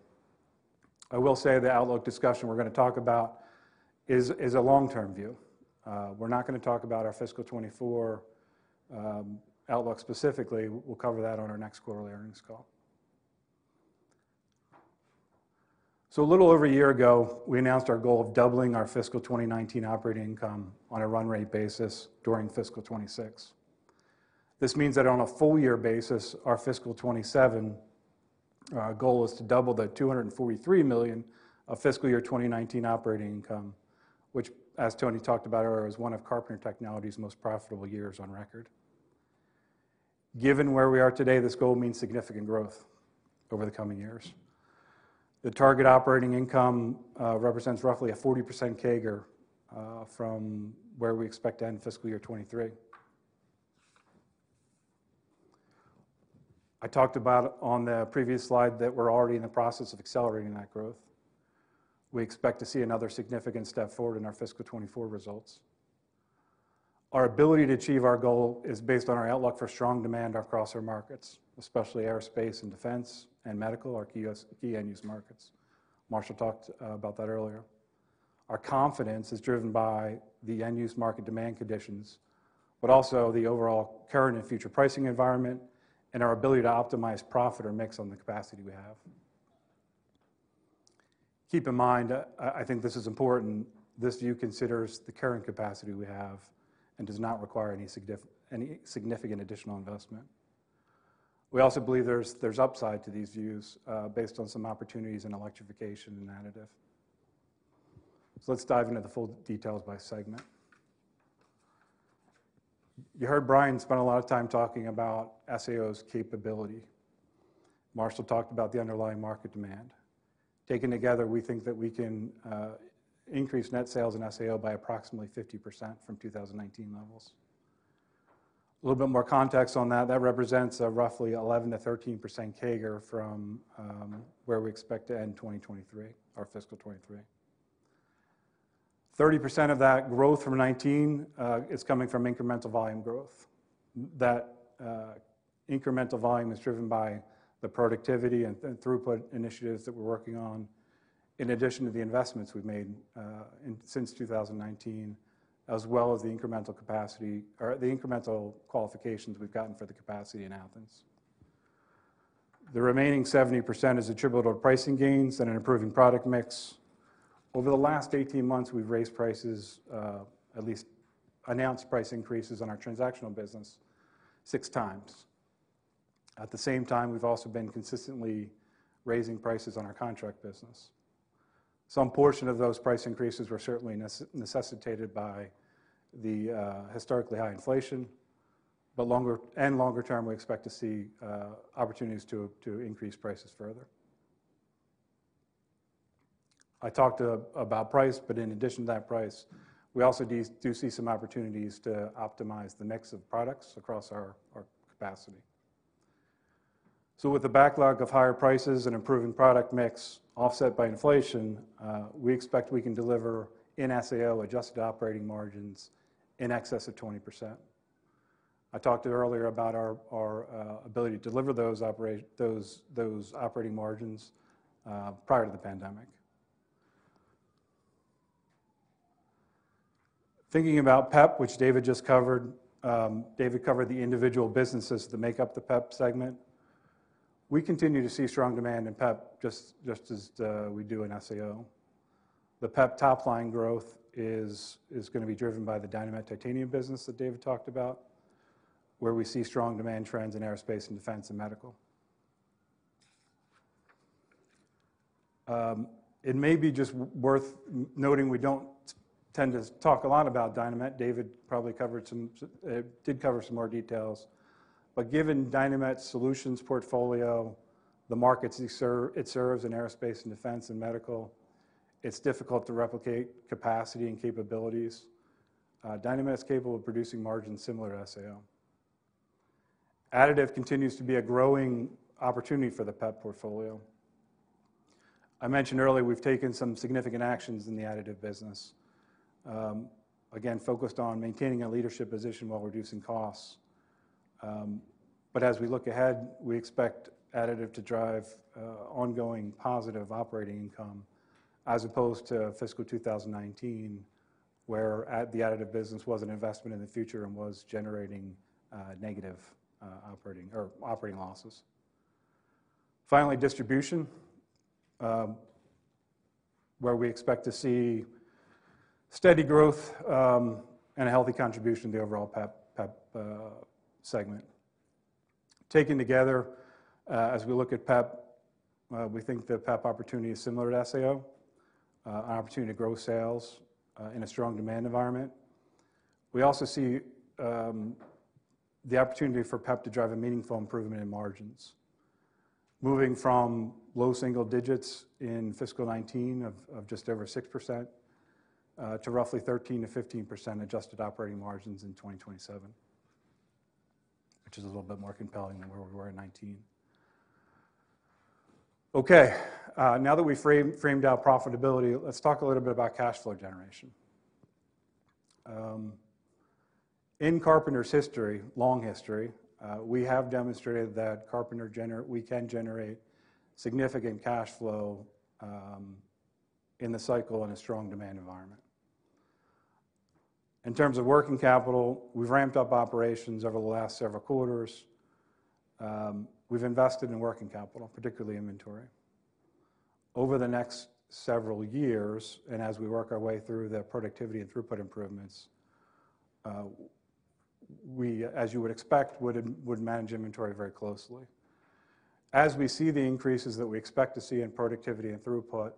I will say the outlook discussion we're gonna talk about is a long-term view. We're not gonna talk about our fiscal 2024 outlook specifically. We'll cover that on our next quarterly earnings call. A little over a year ago, we announced our goal of doubling our fiscal 2019 operating income on a run rate basis during fiscal 2026. This means that on a full year basis, our fiscal 2027, our goal is to double the $243 million of fiscal year 2019 operating income, which as Tony talked about earlier, was one of Carpenter Technology's most profitable years on record. Given where we are today, this goal means significant growth over the coming years. The target operating income represents roughly a 40% CAGR from where we expect to end fiscal year 2023. I talked about on the previous slide that we're already in the process of accelerating that growth. We expect to see another significant step forward in our fiscal 2024 results. Our ability to achieve our goal is based on our outlook for strong demand across our markets, especially aerospace and defense and medical, our key end-use markets. Marshall talked about that earlier. Our confidence is driven by the end-use market demand conditions, but also the overall current and future pricing environment and our ability to optimize profit or mix on the capacity we have. Keep in mind, I think this is important, this view considers the current capacity we have and does not require any significant additional investment. We also believe there's upside to these views, based on some opportunities in electrification and additive. Let's dive into the full details by segment. You heard Brian spend a lot of time talking about SAO's capability. Marshall talked about the underlying market demand. Taken together, we think that we can increase net sales in SAO by approximately 50% from 2019 levels. A little bit more context on that. That represents a roughly 11%-13% CAGR from where we expect to end 2023, or fiscal 23. 30% of that growth from 2019 is coming from incremental volume growth. That incremental volume is driven by the productivity and throughput initiatives that we're working on in addition to the investments we've made since 2019, as well as the incremental capacity or the incremental qualifications we've gotten for the capacity in Athens. The remaining 70% is attributable to pricing gains and an improving product mix. Over the last 18 months, we've raised prices, at least announced price increases on our transactional business 6 times. At the same time, we've also been consistently raising prices on our contract business. Some portion of those price increases were certainly necessitated by the historically high inflation, but longer term, we expect to see opportunities to increase prices further. I talked about price, but in addition to that price, we also see some opportunities to optimize the mix of products across our capacity. With the backlog of higher prices and improving product mix offset by inflation, we expect we can deliver in SAO adjusted operating margins in excess of 20%. I talked earlier about our ability to deliver those operating margins prior to the pandemic. Thinking about PEP, which David just covered, David covered the individual businesses that make up the PEP segment. We continue to see strong demand in PEP just as we do in SAO. The PEP top-line growth is gonna be driven by the Dynamet titanium business that David talked about, where we see strong demand trends in aerospace and defense and medical. It may be just worth noting we don't tend to talk a lot about Dynamet. David probably did cover some more details. Given Dynamet's solutions portfolio, the markets it serves in aerospace and defense and medical, it's difficult to replicate capacity and capabilities. Dynamet is capable of producing margins similar to SAO. Additive continues to be a growing opportunity for the PEP portfolio. I mentioned earlier, we've taken some significant actions in the additive business, again, focused on maintaining a leadership position while reducing costs. As we look ahead, we expect additive to drive ongoing positive operating income as opposed to fiscal 2019, where the additive business was an investment in the future and was generating negative operating losses. Finally, distribution, where we expect to see steady growth and a healthy contribution to the overall PEP segment. Taken together, as we look at PEP, we think the PEP opportunity is similar to SAO, an opportunity to grow sales in a strong demand environment. We also see the opportunity for PEP to drive a meaningful improvement in margins. Moving from low single digits in fiscal 2019 of just over 6%, to roughly 13%-15% adjusted operating margins in 2027, which is a little bit more compelling than where we were in 2019. Now that we've framed out profitability, let's talk a little bit about cash flow generation. In Carpenter's history, long history, we have demonstrated that Carpenter we can generate significant cash flow in the cycle in a strong demand environment. In terms of working capital, we've ramped up operations over the last several quarters. We've invested in working capital, particularly inventory. Over the next several years, as we work our way through the productivity and throughput improvements, we as you would expect, would manage inventory very closely. As we see the increases that we expect to see in productivity and throughput,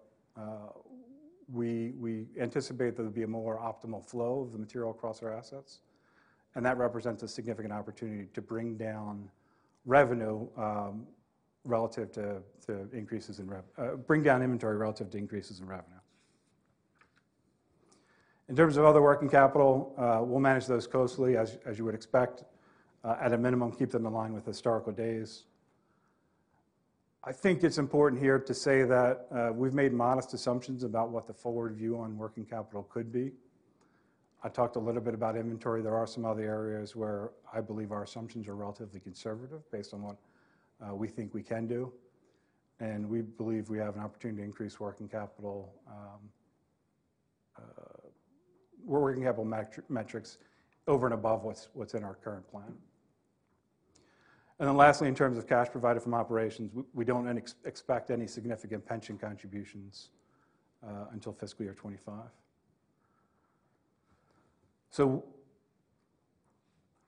we anticipate there to be a more optimal flow of the material across our assets, and that represents a significant opportunity to bring down inventory relative to increases in revenue. In terms of other working capital, we'll manage those closely as you would expect. At a minimum, keep them in line with historical days. I think it's important here to say that we've made modest assumptions about what the forward view on working capital could be. I talked a little bit about inventory. There are some other areas where I believe our assumptions are relatively conservative based on what we think we can do, and we believe we have an opportunity to increase working capital. working capital metrics over and above what's in our current plan. Lastly, in terms of cash provided from operations, we don't expect any significant pension contributions until fiscal year 25.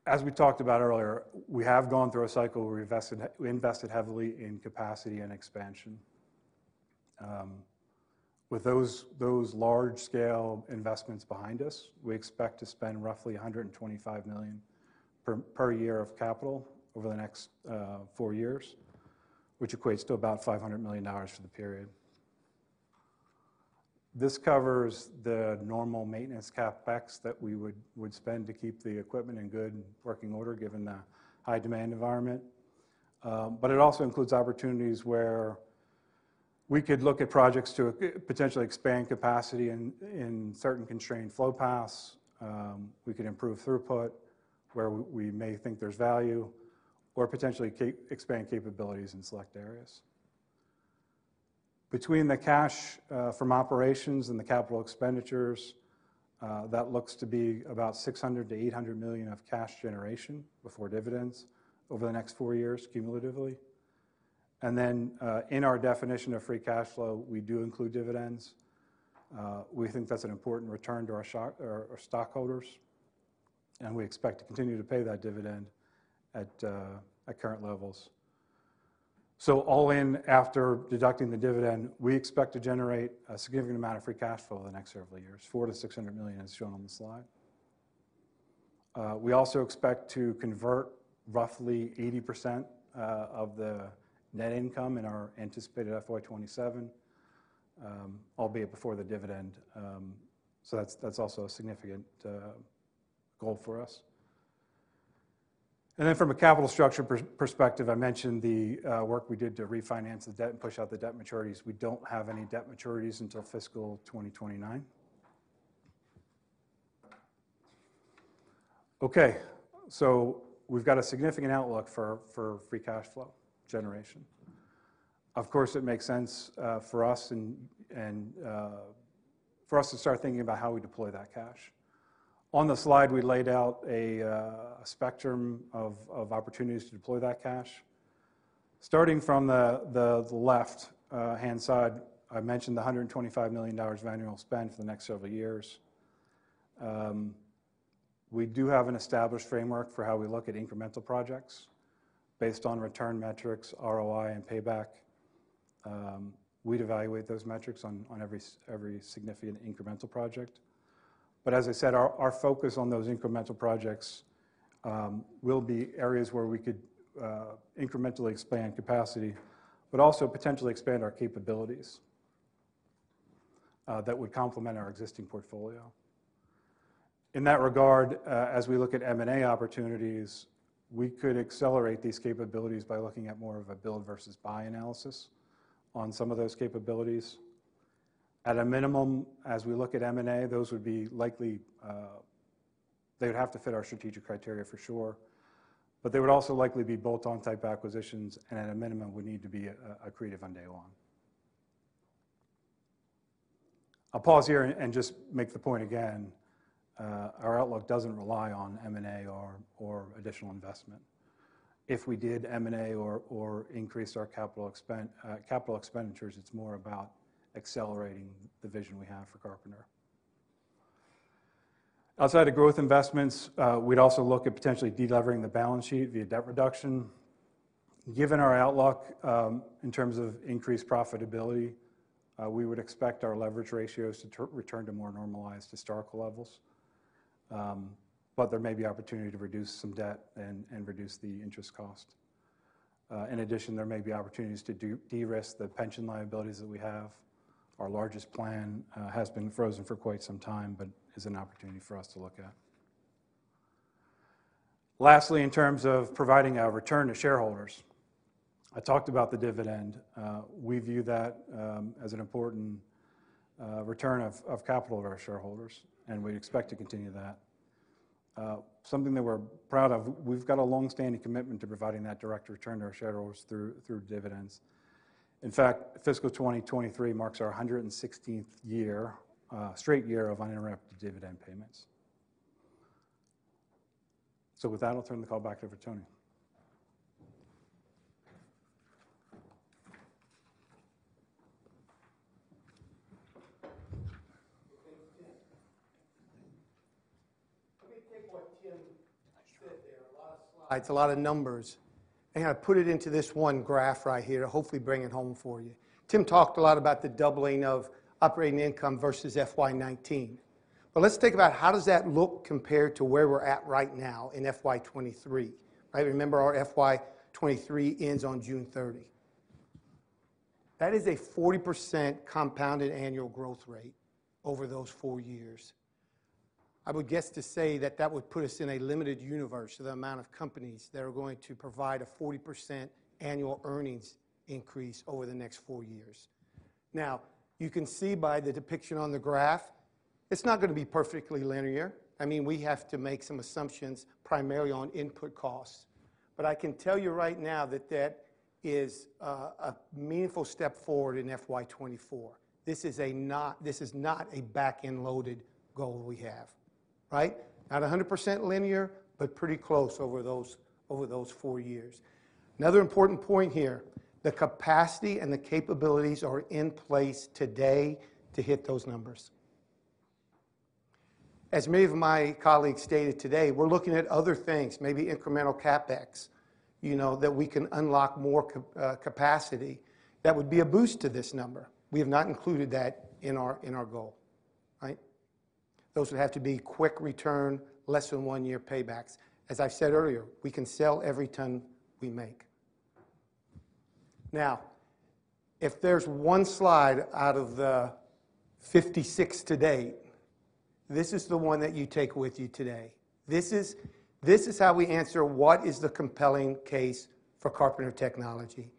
As we talked about earlier, we have gone through a cycle where we invested heavily in capacity and expansion. With those large scale investments behind us, we expect to spend roughly $125 million per year of capital over the next four years, which equates to about $500 million for the period. This covers the normal maintenance CapEx that we would spend to keep the equipment in good working order given the high demand environment. It also includes opportunities where we could look at projects to potentially expand capacity in certain constrained flow paths. We could improve throughput where we may think there's value or potentially expand capabilities in select areas. Between the cash from operations and the capital expenditures, that looks to be about $600 million-$800 million of cash generation before dividends over the next four years cumulatively. In our definition of free cash flow, we do include dividends. We think that's an important return to our stockholders, and we expect to continue to pay that dividend at current levels. All in, after deducting the dividend, we expect to generate a significant amount of free cash flow in the next several years, $400 million-$600 million as shown on the slide. We also expect to convert roughly 80% of the net income in our anticipated FY 2027, albeit before the dividend. That's also a significant goal for us. From a capital structure perspective, I mentioned the work we did to refinance the debt and push out the debt maturities. We don't have any debt maturities until fiscal 2029. Okay. We've got a significant outlook for free cash flow generation. Of course, it makes sense for us and for us to start thinking about how we deploy that cash. On the slide, we laid out a spectrum of opportunities to deploy that cash. Starting from the left-hand side, I mentioned the $125 million of annual spend for the next several years. We do have an established framework for how we look at incremental projects based on return metrics, ROI, and payback. We'd evaluate those metrics on every significant incremental project. As I said, our focus on those incremental projects will be areas where we could incrementally expand capacity, but also potentially expand our capabilities that would complement our existing portfolio. In that regard, as we look at M&A opportunities, we could accelerate these capabilities by looking at more of a build versus buy analysis on some of those capabilities. At a minimum, as we look at M&A, those would be likely. They would have to fit our strategic criteria for sure, but they would also likely be bolt-on type acquisitions and at a minimum would need to be accretive from day one. I'll pause here and just make the point again. Our outlook doesn't rely on M&A or additional investment. If we did M&A or increased our capital expenditures, it's more about accelerating the vision we have for Carpenter. Outside of growth investments, we'd also look at potentially de-levering the balance sheet via debt reduction. Given our outlook, in terms of increased profitability, we would expect our leverage ratios to return to more normalized historical levels. There may be opportunity to reduce some debt and reduce the interest cost. In addition, there may be opportunities to de-risk the pension liabilities that we have. Our largest plan has been frozen for quite some time, but is an opportunity for us to look at. Lastly, in terms of providing a return to shareholders, I talked about the dividend. We view that as an important return of capital to our shareholders, and we expect to continue that. Something that we're proud of. We've got a long-standing commitment to providing that direct return to our shareholders through dividends. In fact, fiscal 2023 marks our 116th year, straight year of uninterrupted dividend payments. With that, I'll turn the call back over to Tony. Thanks, Tim. Let me take what Tim said there. A lot of slides, a lot of numbers, I put it into this one graph right here to hopefully bring it home for you. Tim talked a lot about the doubling of operating income versus FY 2019. Let's think about how does that look compared to where we're at right now in FY 2023. Right? Remember, our FY 2023 ends on June 30. That is a 40% compounded annual growth rate over those four years. I would guess to say that that would put us in a limited universe of the amount of companies that are going to provide a 40% annual earnings increase over the next four years. You can see by the depiction on the graph, it's not gonna be perfectly linear. I mean, we have to make some assumptions primarily on input costs. I can tell you right now that that is a meaningful step forward in FY 2024. This is not a back-end loaded goal we have. Right? Not 100% linear, but pretty close over those four years. Another important point here, the capacity and the capabilities are in place today to hit those numbers. As many of my colleagues stated today, we're looking at other things, maybe incremental CapEx, you know, that we can unlock more capacity that would be a boost to this number. We have not included that in our goal, right? Those would have to be quick return, less than 1-year paybacks. As I said earlier, we can sell every ton we make. If there's 1 slide out of the 56 today, this is the one that you take with you today. This is how we answer what is the compelling case for Carpenter Technology.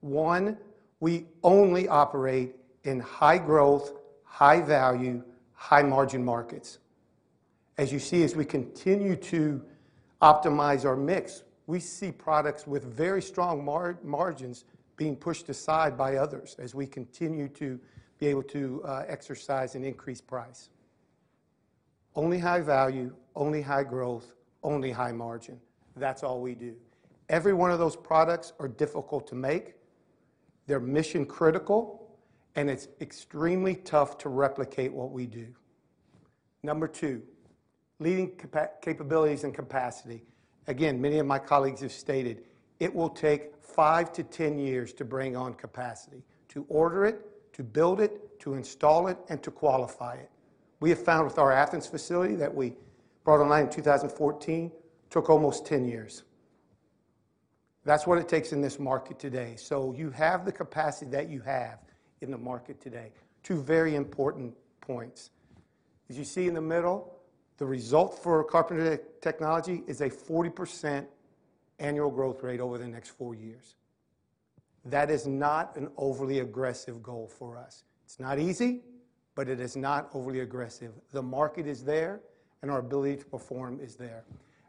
One, we only operate in high growth, high value, high margin markets. As you see, as we continue to optimize our mix, we see products with very strong margins being pushed aside by others as we continue to be able to exercise an increased price. Only high value, only high growth, only high margin. That's all we do. Every one of those products are difficult to make, they're mission-critical, and it's extremely tough to replicate what we do. Number two, leading capabilities and capacity. Again, many of my colleagues have stated it will take 5-10 years to bring on capacity, to order it, to build it, to install it, and to qualify it. We have found with our Athens facility that we brought online in 2014, took almost 10 years. That's what it takes in this market today. You have the capacity that you have in the market today. Two very important points. As you see in the middle, the result for Carpenter Technology is a 40% annual growth rate over the next four years. That is not an overly aggressive goal for us. It's not easy, but it is not overly aggressive. The market is there, and our ability to perform is there.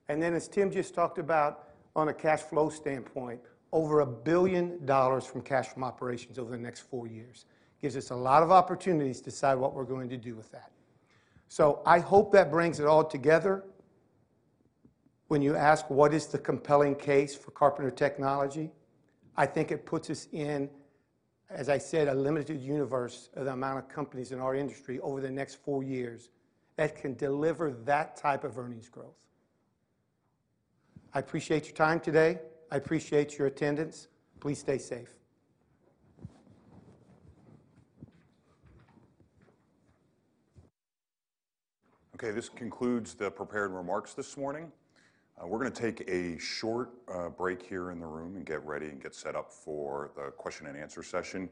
As Tim just talked about on a cash flow standpoint, over $1 billion from cash from operations over the next four years. Gives us a lot of opportunities to decide what we're going to do with that. I hope that brings it all together. When you ask what is the compelling case for Carpenter Technology, I think it puts us in, as I said, a limited universe of the amount of companies in our industry over the next four years that can deliver that type of earnings growth. I appreciate your time today. I appreciate your attendance. Please stay safe. Okay, this concludes the prepared remarks this morning. We're gonna take a short break here in the room and get ready and get set up for the question and answer session.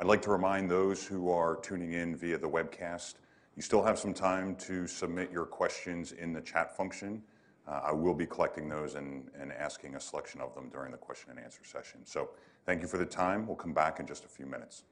I'd like to remind those who are tuning in via the webcast, you still have some time to submit your questions in the chat function. I will be collecting those and asking a selection of them during the question and answer session. Thank you for the time. We'll come back in just a few minutes.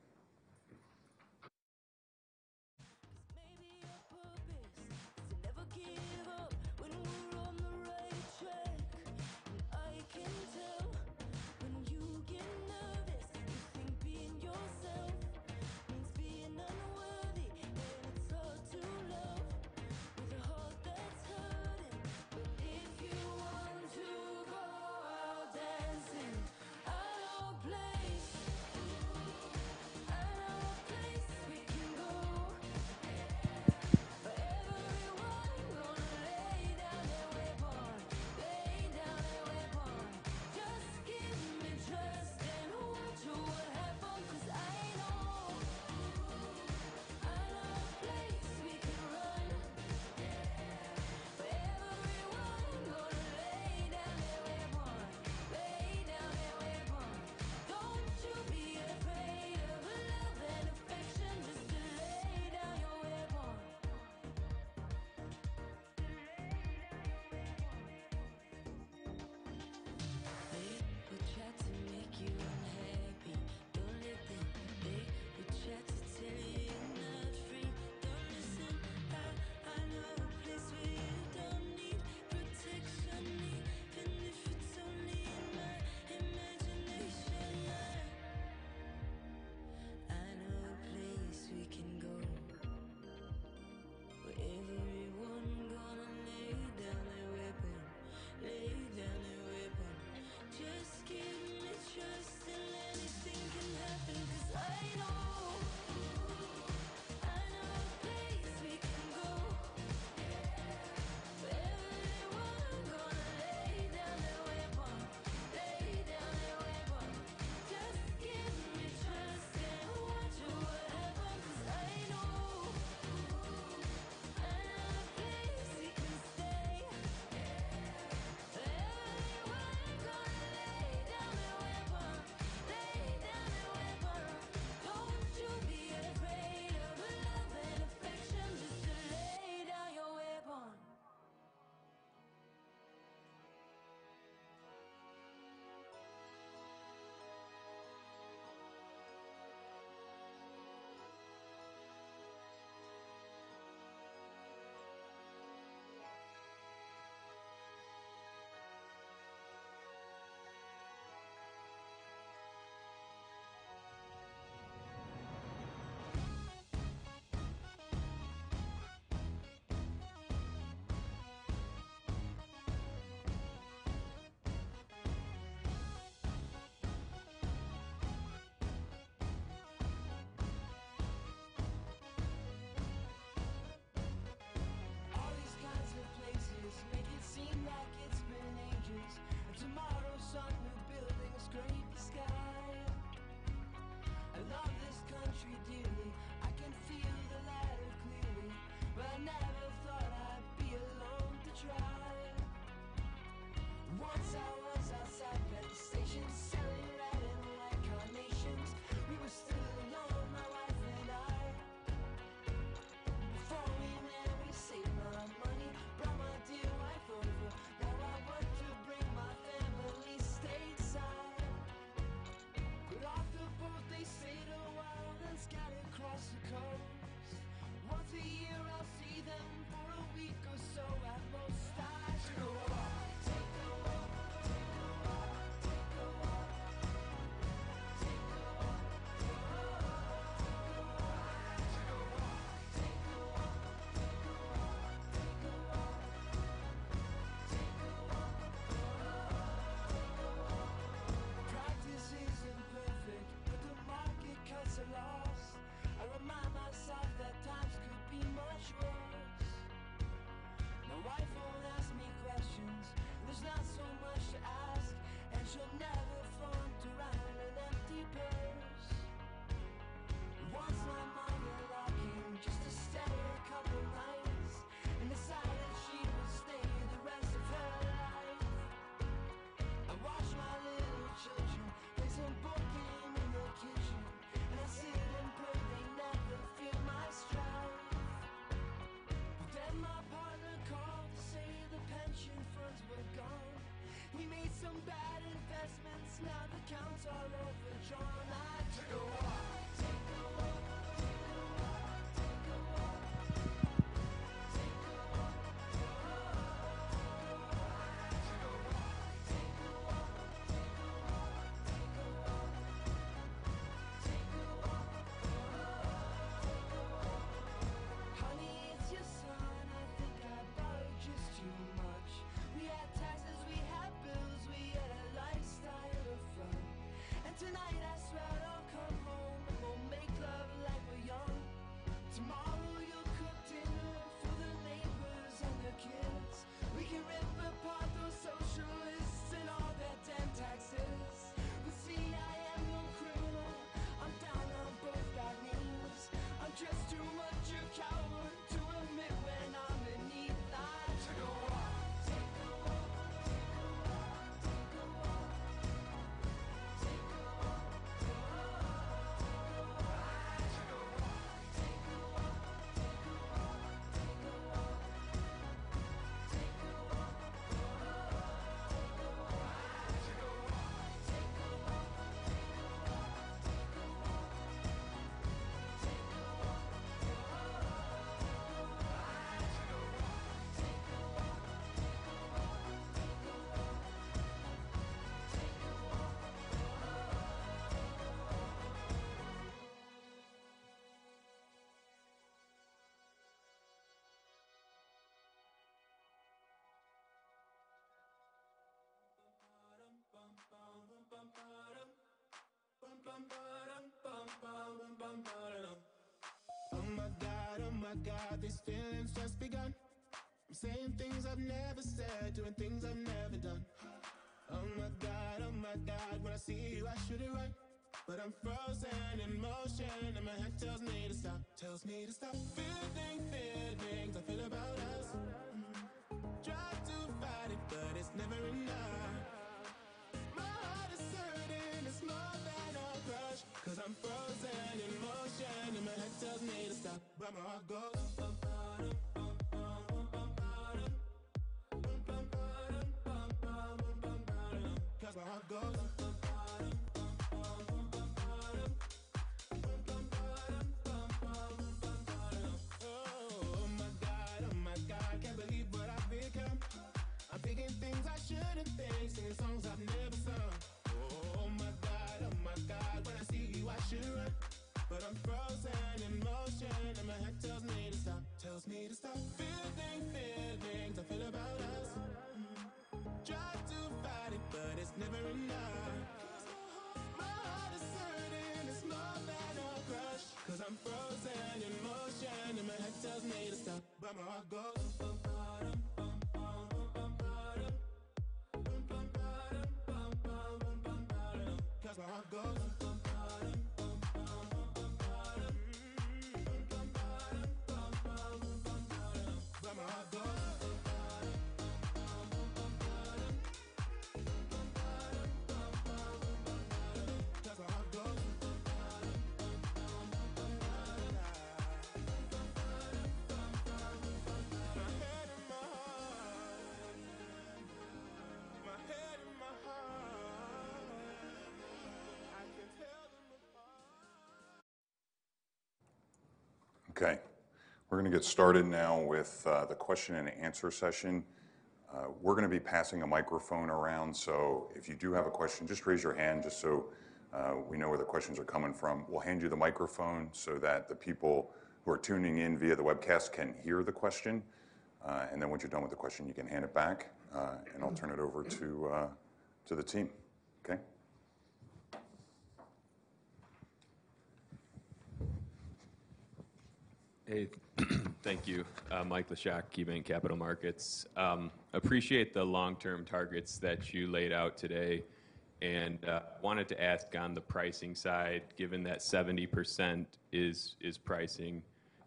Okay. We're gonna get started now with the question and answer session. We're gonna be passing a microphone around, so if you do have a question, just raise your hand just so we know where the questions are coming from. We'll hand you the microphone so that the people who are tuning in via the webcast can hear the question. Once you're done with the question, you can hand it back, and I'll turn it over to the team. Okay. Hey. Thank you. Michael Leshock, KeyBanc Capital Markets. Appreciate the long-term targets that you laid out today, and wanted to ask on the pricing side, given that 70% is pricing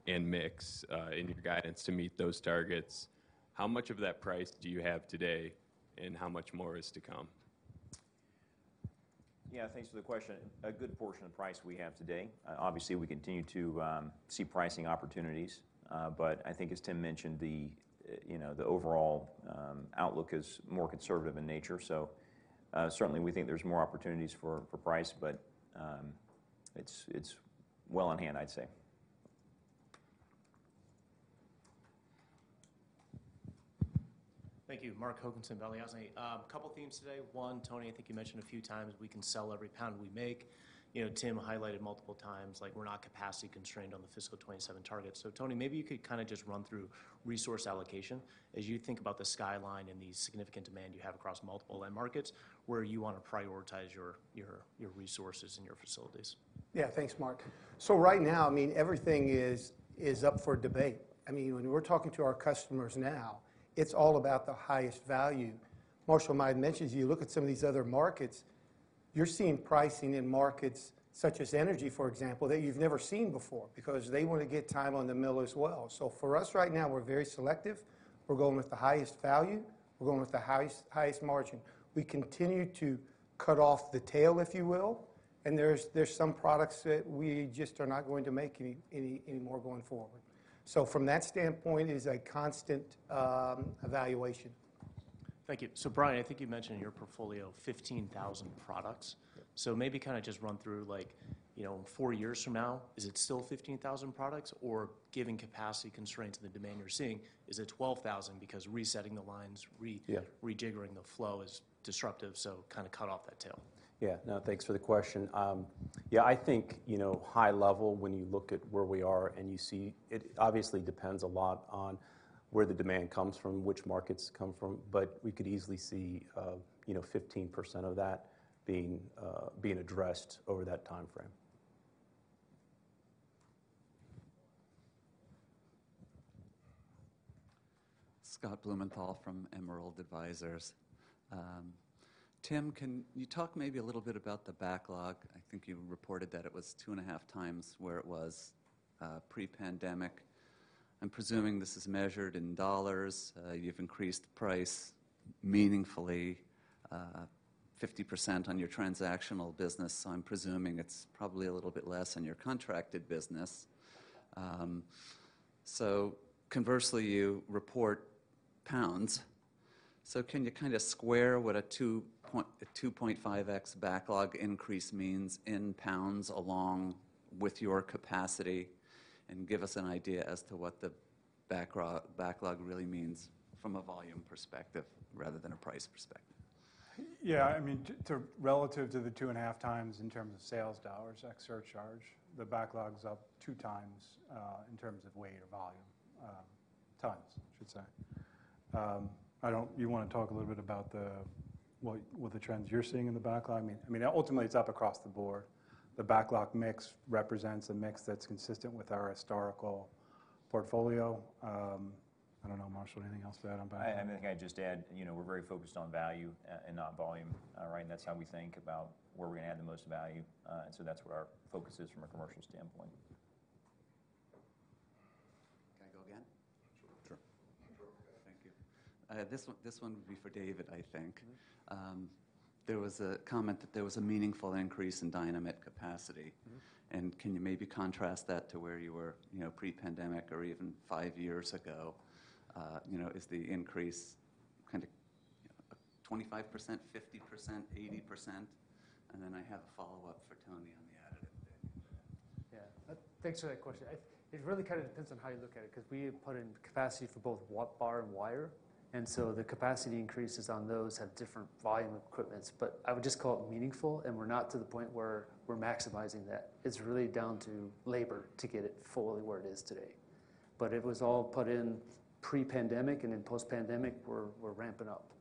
and mix in your guidance to meet those targets, how much of that price do you have today, and how much more is to come? Yeah. Thanks for the question. A good portion of the price we have today. obviously, we continue to see pricing opportunities. I think as Tim mentioned, you know, the overall outlook is more conservative in nature. certainly we think there's more opportunities for price but it's well on hand, I'd say. Thank you. Marko Hokkanen, Balyasny. A couple themes today. One, Tony, I think you mentioned a few times we can sell every pound we make. You know, Tim highlighted multiple times, like, we're not capacity constrained on the fiscal 27 target. Tony, maybe you could kinda just run through resource allocation as you think about the skyline and the significant demand you have across multiple end markets where you wanna prioritize your, your resources and your facilities. Yeah. Thanks, Mark. Right now, I mean, everything is up for debate. I mean, when we're talking to our customers now, it's all about the highest value. Marshall might have mentioned to you, look at some of these other markets, you're seeing pricing in markets such as energy, for example, that you've never seen before because they wanna get time on the mill as well. For us right now, we're very selective. We're going with the highest value. We're going with the highest margin. We continue to cut off the tail, if you will. There's some products that we just are not going to make any more going forward. From that standpoint, it is a constant evaluation. Thank you. Brian, I think you mentioned in your portfolio 15,000 products. Yep. Maybe kind of just run through, like, you know, four years from now, is it still 15,000 products? Given capacity constraints and the demand you're seeing, is it 12,000 because resetting the lines? Yeah... rejiggering the flow is disruptive, so kinda cut off that tail? Yeah. No, thanks for the question. Yeah, I think, you know, high level, when you look at where we are and you see, it obviously depends a lot on where the demand comes from, which markets come from, but we could easily see, you know, 15% of that being addressed over that timeframe. Scott Blumenthal from Emerald Advisors. Tim, can you talk maybe a little bit about the backlog? I think you reported that it was 2.5x where it was pre-pandemic. I'm presuming this is measured in dollars. You've increased price meaningfully, 50% on your transactional business. I'm presuming it's probably a little bit less in your contracted business. Conversely, you report pounds. Can you kinda square what a 2.5x backlog increase means in pounds along with your capacity and give us an idea as to what the backlog really means from a volume perspective rather than a price perspective? Yeah. I mean, to relative to the 2.5x in terms of $ sales ex surcharge, the backlog's up 2xi in terms of weight or volume, tons, I should say. You wanna talk a little bit about what the trends you're seeing in the backlog? I mean, ultimately it's up across the board. The backlog mix represents a mix that's consistent with our historical portfolio. I don't know, Marshall, anything else to add on backlog? I think I'd just add, you know, we're very focused on value and not volume. Right? That's how we think about where we're gonna add the most value. So that's what our focus is from a commercial standpoint. Can I go again? Sure. Thank you. This one would be for David, I think. Mm-hmm. There was a comment that there was a meaningful increase in Dynamet capacity. Mm-hmm. Can you maybe contrast that to where you were, you know, pre-pandemic or even 5 years ago? you know, is the increaseKind of, you know, 25%, 50%, 80%? I have a follow-up for Tony on the additive thing. Yeah. Thanks for that question. It really kind of depends on how you look at it. We had put in capacity for both bar and wire. The capacity increases on those have different volume equipments. I would just call it meaningful. We're not to the point where we're maximizing that. It's really down to labor to get it fully where it is today. It was all put in pre-pandemic. In post-pandemic, we're ramping up.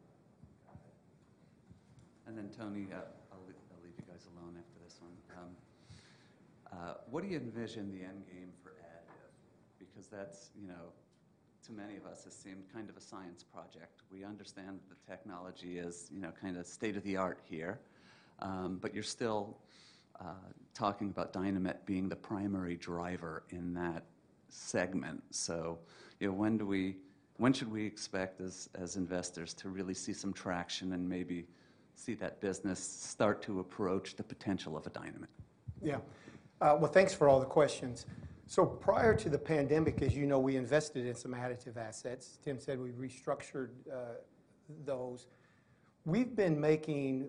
Got it. Tony, I'll leave you guys alone after this one. What do you envision the end game for additive? Because that's, you know, to many of us has seemed kind of a science project. We understand the technology is, you know, kinda state-of-the-art here. You're still talking about Dynamet being the primary driver in that segment. You know, when should we expect as investors to really see some traction and maybe see that business start to approach the potential of a Dynamet? Well, thanks for all the questions. Prior to the pandemic, as you know, we invested in some additive assets. Tim said we restructured those. We've been making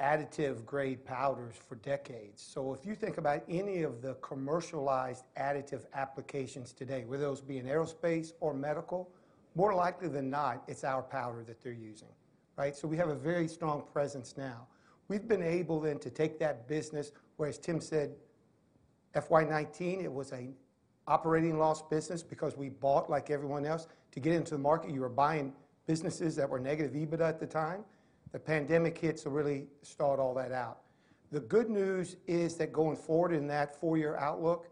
additive grade powders for decades. If you think about any of the commercialized additive applications today, whether those be in aerospace or medical, more likely than not, it's our powder that they're using, right? We have a very strong presence now. We've been able then to take that business, where as Tim said, FY 2019, it was a operating loss business because we bought like everyone else. To get into the market, you were buying businesses that were negative EBITDA at the time. The pandemic hit, so really stalled all that out. The good news is that going forward in that four-year outlook,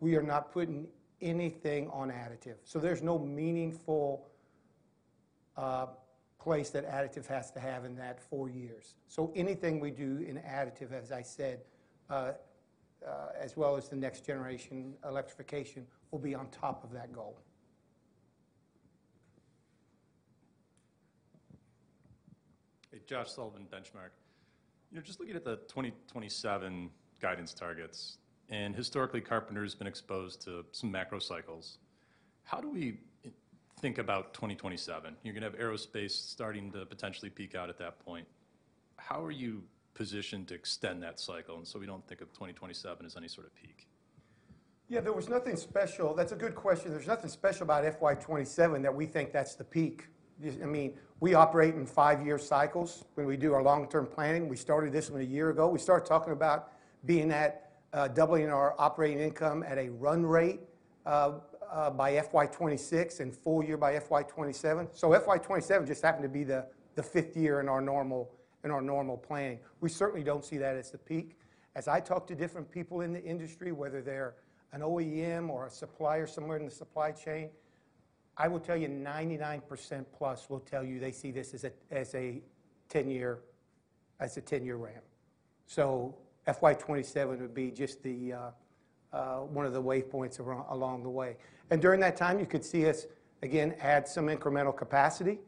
we are not putting anything on additive. There's no meaningful place that additive has to have in that four years. Anything we do in additive, as I said, as well as the next generation electrification, will be on top of that goal. Hey, Josh Sullivan, The Benchmark Company. You know, just looking at the 2027 guidance targets, historically Carpenter Technology's been exposed to some macro cycles. How do we think about 2027? You're gonna have aerospace starting to potentially peak out at that point. How are you positioned to extend that cycle, so we don't think of 2027 as any sort of peak? There was nothing special. That's a good question. There's nothing special about FY 2027 that we think that's the peak. I mean, we operate in 5-year cycles when we do our long-term planning. We started this 1 a year ago. We started talking about being at doubling our operating income at a run rate by FY 2026 and full year by FY 2027. FY 2027 just happened to be the fifth year in our normal planning. We certainly don't see that as the peak. As I talk to different people in the industry, whether they're an OEM or a supplier somewhere in the supply chain, I will tell you 99%+ will tell you they see this as a 10-year ramp. FY 2027 would be just the one of the way points along the way. During that time, you could see us again add some incremental capacity.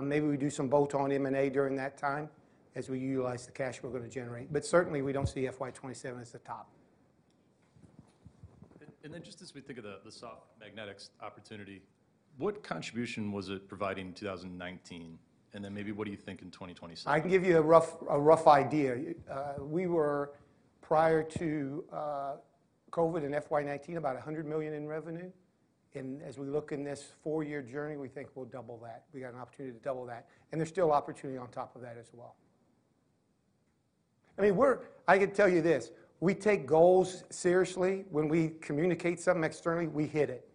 Maybe we do some bolt-on M&A during that time as we utilize the cash we're gonna generate. Certainly, we don't see FY 2027 as the top. Just as we think of the soft magnetics opportunity, what contribution was it providing in 2019? Maybe what do you think in 2027? I can give you a rough idea. We were, prior to COVID in FY 2019, about $100 million in revenue. As we look in this four-year journey, we think we'll double that. We got an opportunity to double that. There's still opportunity on top of that as well. I mean, I can tell you this. We take goals seriously. When we communicate something externally, we hit it.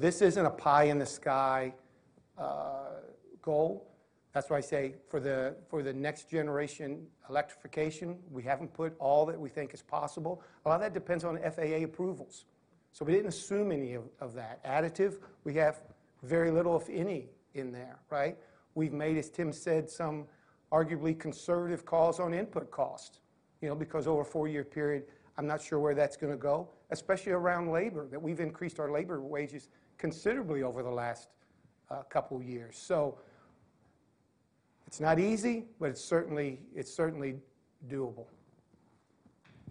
This isn't a pie in the sky, goal. That's why I say for the next generation electrification, we haven't put all that we think is possible. A lot of that depends on FAA approvals. We didn't assume any of that. Additive, we have very little, if any, in there, right? We've made, as Tim said, some arguably conservative calls on input cost, you know, because over a four-year period, I'm not sure where that's gonna go, especially around labor, that we've increased our labor wages considerably over the last couple years. It's not easy, but it's certainly doable.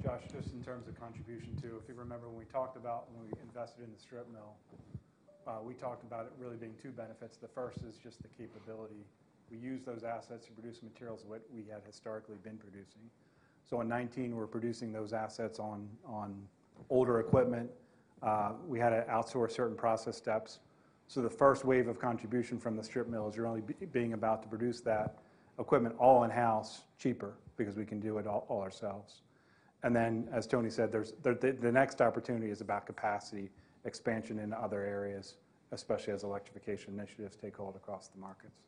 Josh, just in terms of contribution too, if you remember when we talked about when we invested in the strip mill, we talked about it really being two benefits. The first is just the capability. We use those assets to produce materials what we had historically been producing. In 19, we're producing those assets on older equipment. We had to outsource certain process steps. The first wave of contribution from the strip mill is you're only being about to produce that equipment all in-house cheaper because we can do it all ourselves. As Tony said, there's the next opportunity is about capacity expansion into other areas, especially as electrification initiatives take hold across the markets.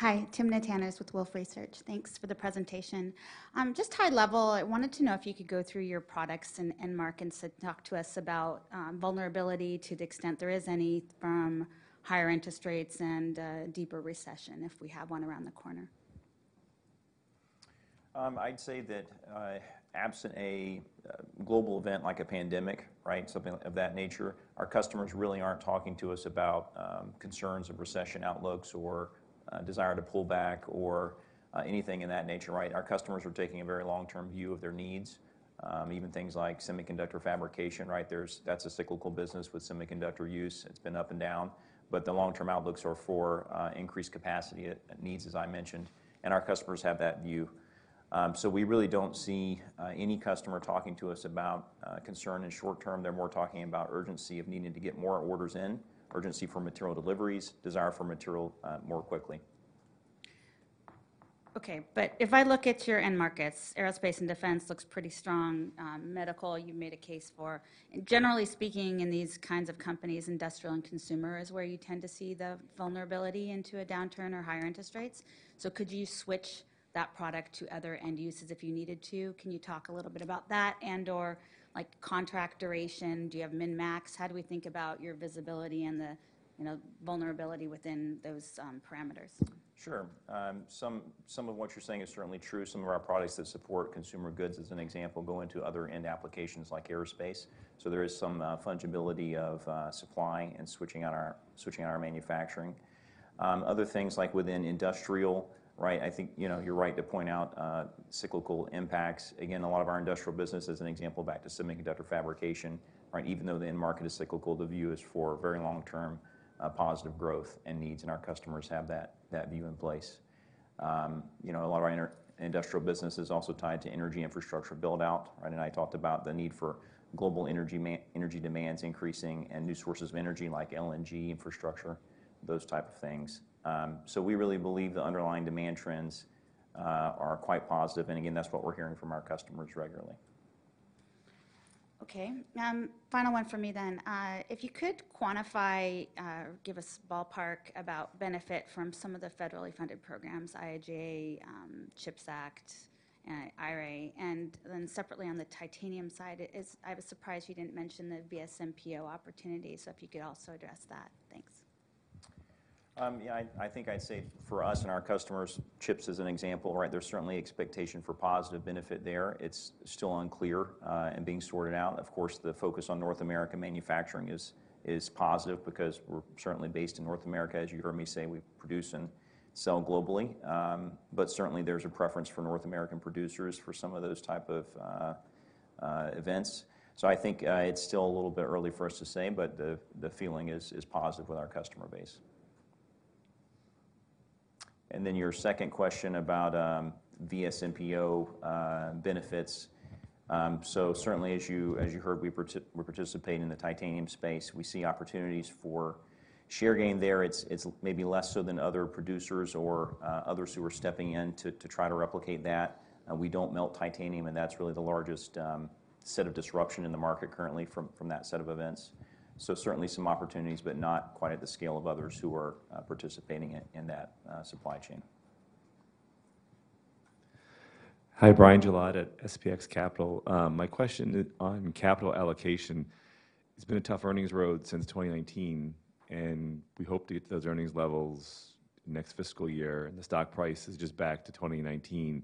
Hi, Timna Tanners with Wolfe Research. Thanks for the presentation. Just high level, I wanted to know if you could go through your products end market, and talk to us about vulnerability to the extent there is any from higher interest rates and deeper recession if we have one around the corner. I'd say that, absent a global event like a pandemic, right, something of that nature, our customers really aren't talking to us about concerns of recession outlooks or a desire to pull back or anything in that nature, right? Our customers are taking a very long-term view of their needs, even things like semiconductor fabrication, right? That's a cyclical business with semiconductor use. It's been up and down. The long-term outlooks are for increased capacity it needs, as I mentioned, and our customers have that view. We really don't see any customer talking to us about concern in short-term. They're more talking about urgency of needing to get more orders in, urgency for material deliveries, desire for material more quickly. Okay. If I look at your end markets, aerospace and defense looks pretty strong, medical, you made a case for. Generally speaking, in these kinds of companies, industrial and consumer is where you tend to see the vulnerability into a downturn or higher interest rates. Could you switch that product to other end uses if you needed to? Can you talk a little bit about that and/or like contract duration? Do you have min-max? How do we think about your visibility and the, you know, vulnerability within those parameters? Sure. Some of what you're saying is certainly true. Some of our products that support consumer goods, as an example, go into other end applications like aerospace. There is some fungibility of supply and switching on our manufacturing. Other things like within industrial, right, I think, you know, you're right to point out cyclical impacts. A lot of our industrial business, as an example, back to semiconductor fabrication, right? Even though the end market is cyclical, the view is for very long-term positive growth and needs, and our customers have that view in place. You know, a lot of our inter-industrial business is also tied to energy infrastructure build-out, right? I talked about the need for global energy demands increasing and new sources of energy like LNG infrastructure, those type of things. We really believe the underlying demand trends are quite positive. Again, that's what we're hearing from our customers regularly. Okay. Final one for me then. If you could quantify or give us ballpark about benefit from some of the federally funded programs, IIJA, CHIPS Act, IRA. Separately on the titanium side, I was surprised you didn't mention the VSMPO opportunity. If you could also address that. Thanks. Yeah, I think I'd say for us and our customers, CHIPS as an example, right? There's certainly expectation for positive benefit there. It's still unclear and being sorted out. Of course, the focus on North America manufacturing is positive because we're certainly based in North America. As you heard me say, we produce and sell globally. Certainly there's a preference for North American producers for some of those type of events. I think it's still a little bit early for us to say, but the feeling is positive with our customer base. Your second question about VSMPO benefits. Certainly as you heard, we participate in the titanium space. We see opportunities for share gain there. It's maybe less so than other producers or others who are stepping to try to replicate that. We don't melt titanium, and that's really the largest set of disruption in the market currently from that set of events. Certainly some opportunities, but not quite at the scale of others who are participating in that supply chain. Hi, Brian Gelfand at SPX Capital. My question on capital allocation, it's been a tough earnings road since 2019. We hope to get to those earnings levels next fiscal year. The stock price is just back to 2019.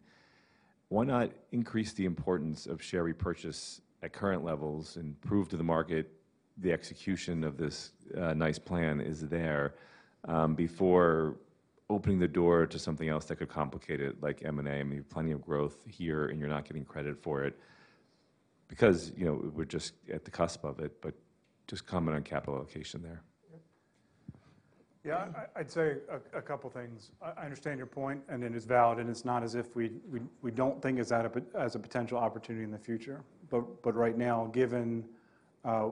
Why not increase the importance of share repurchase at current levels and prove to the market the execution of this nice plan is there before opening the door to something else that could complicate it, like M&A? I mean, you have plenty of growth here. You're not getting credit for it because, you know, we're just at the cusp of it. Just comment on capital allocation there. Yeah. I'd say a couple things. I understand your point, and it is valid, and it's not as if we don't think as that as a potential opportunity in the future. Right now, given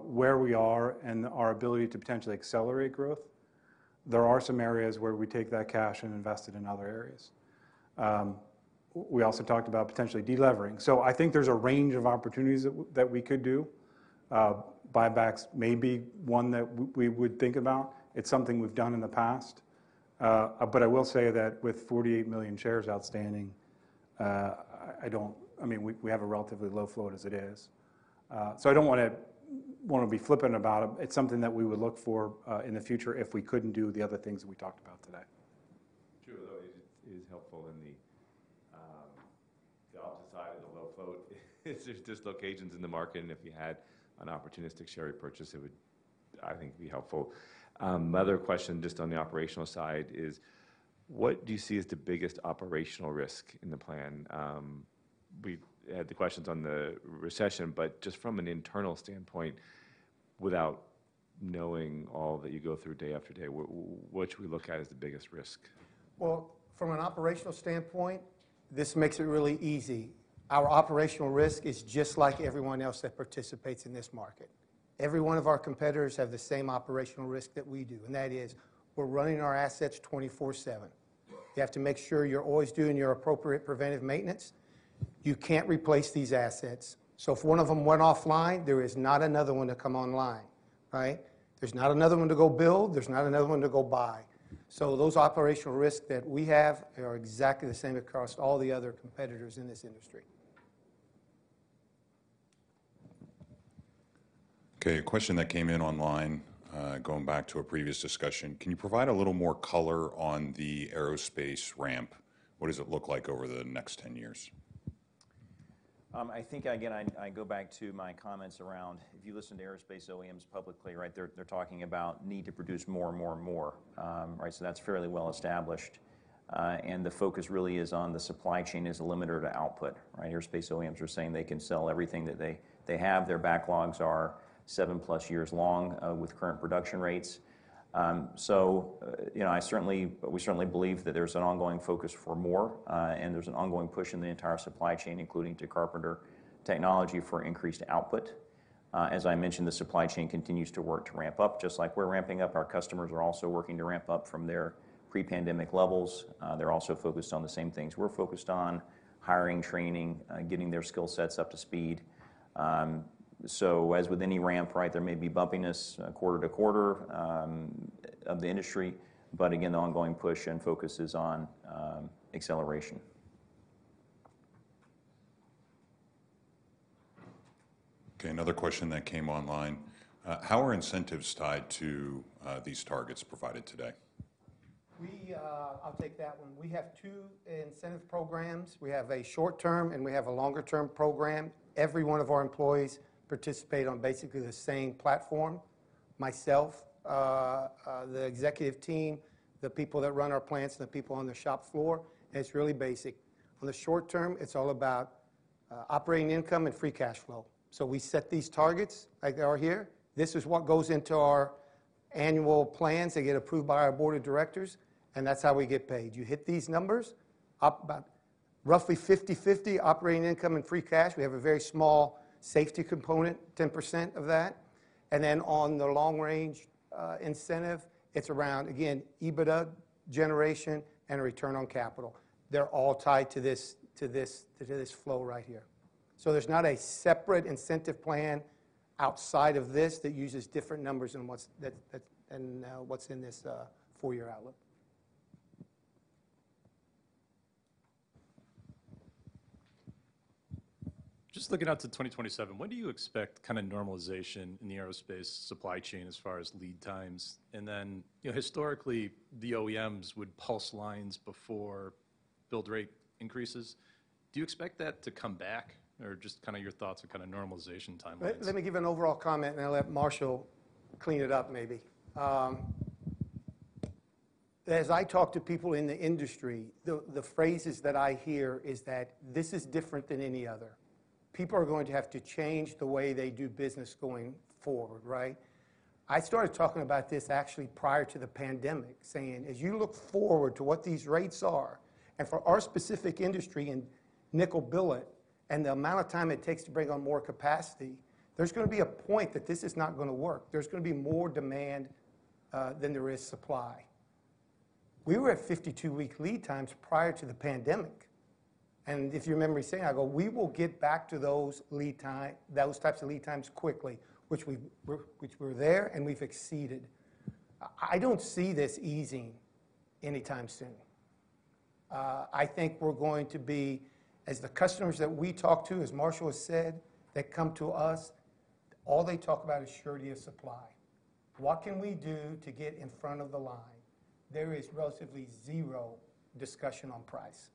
where we are and our ability to potentially accelerate growth, there are some areas where we take that cash and invest it in other areas. We also talked about potentially delevering. I think there's a range of opportunities that we could do. Buybacks may be one that we would think about. It's something we've done in the past. I will say that with 48 million shares outstanding, I don't... I mean, we have a relatively low float as it is. I don't wanna be flippant about it. It's something that we would look for, in the future if we couldn't do the other things that we talked about today. True, though it is helpful in the opposite side of the low float if there's dislocations in the market and if you had an opportunistic share repurchase, it would, I think, be helpful. My other question just on the operational side is, what do you see as the biggest operational risk in the plan? We've had the questions on the recession, just from an internal standpoint, without knowing all that you go through day after day, what should we look at as the biggest risk? From an operational standpoint, this makes it really easy. Our operational risk is just like everyone else that participates in this market. Every one of our competitors have the same operational risk that we do, and that is we're running our assets 24/7. You have to make sure you're always doing your appropriate preventive maintenance. You can't replace these assets. If one of them went offline, there is not another one to come online, right? There's not another one to go build, there's not another one to go buy. Those operational risks that we have are exactly the same across all the other competitors in this industry. Okay, a question that came in online, going back to a previous discussion. Can you provide a little more color on the aerospace ramp? What does it look like over the next 10 years? I think, again, I go back to my comments around if you listen to aerospace OEMs publicly, right, they're talking about need to produce more and more and more. Right, that's fairly well-established. The focus really is on the supply chain as a limiter to output, right? Aerospace OEMs are saying they can sell everything that they have. Their backlogs are 7+ years long with current production rates. You know, we certainly believe that there's an ongoing focus for more, there's an ongoing push in the entire supply chain, including to Carpenter Technology for increased output. As I mentioned, the supply chain continues to work to ramp up. Just like we're ramping up, our customers are also working to ramp up from their pre-pandemic levels. They're also focused on the same things we're focused on: hiring, training, getting their skill sets up to speed. As with any ramp, right, there may be bumpiness, quarter to quarter, of the industry. Again, the ongoing push and focus is on acceleration. Okay, another question that came online. How are incentives tied to these targets provided today? I'll take that one. We have two incentive programs. We have a short-term, and we have a longer-term program. Every one of our employees participate on basically the same platform, myself, the executive team, the people that run our plants, and the people on the shop floor. It's really basic. For the short term, it's all about operating income and free cash flow. We set these targets like they are here. This is what goes into our annual plans. They get approved by our board of directors. That's how we get paid. You hit these numbers, up about roughly 50/50 operating income and free cash. We have a very small safety component, 10% of that. On the long range incentive, it's around, again, EBITDA generation and return on capital. They're all tied to this flow right here. There's not a separate incentive plan outside of this that uses different numbers than what's in this four-year outlook. Just looking out to 2027, when do you expect kinda normalization in the aerospace supply chain as far as lead times? You know, historically, the OEMs would pulse lines before build rate increases. Do you expect that to come back? Just kinda your thoughts on kinda normalization timelines? Let me give an overall comment, and I'll let Marshall clean it up maybe. As I talk to people in the industry, the phrases that I hear is that this is different than any other. People are going to have to change the way they do business going forward, right? I started talking about this actually prior to the pandemic, saying, "As you look forward to what these rates are, and for our specific industry in nickel billet and the amount of time it takes to bring on more capacity, there's gonna be a point that this is not gonna work. There's gonna be more demand than there is supply." We were at 52-week lead times prior to the pandemic. If you remember me saying, I go, "We will get back to those types of lead times quickly," which we're there, and we've exceeded. I don't see this easing anytime soon. I think we're going to be, as the customers that we talk to, as Marshall has said, that come to us, all they talk about is surety of supply. What can we do to get in front of the line? There is relatively zero discussion on price.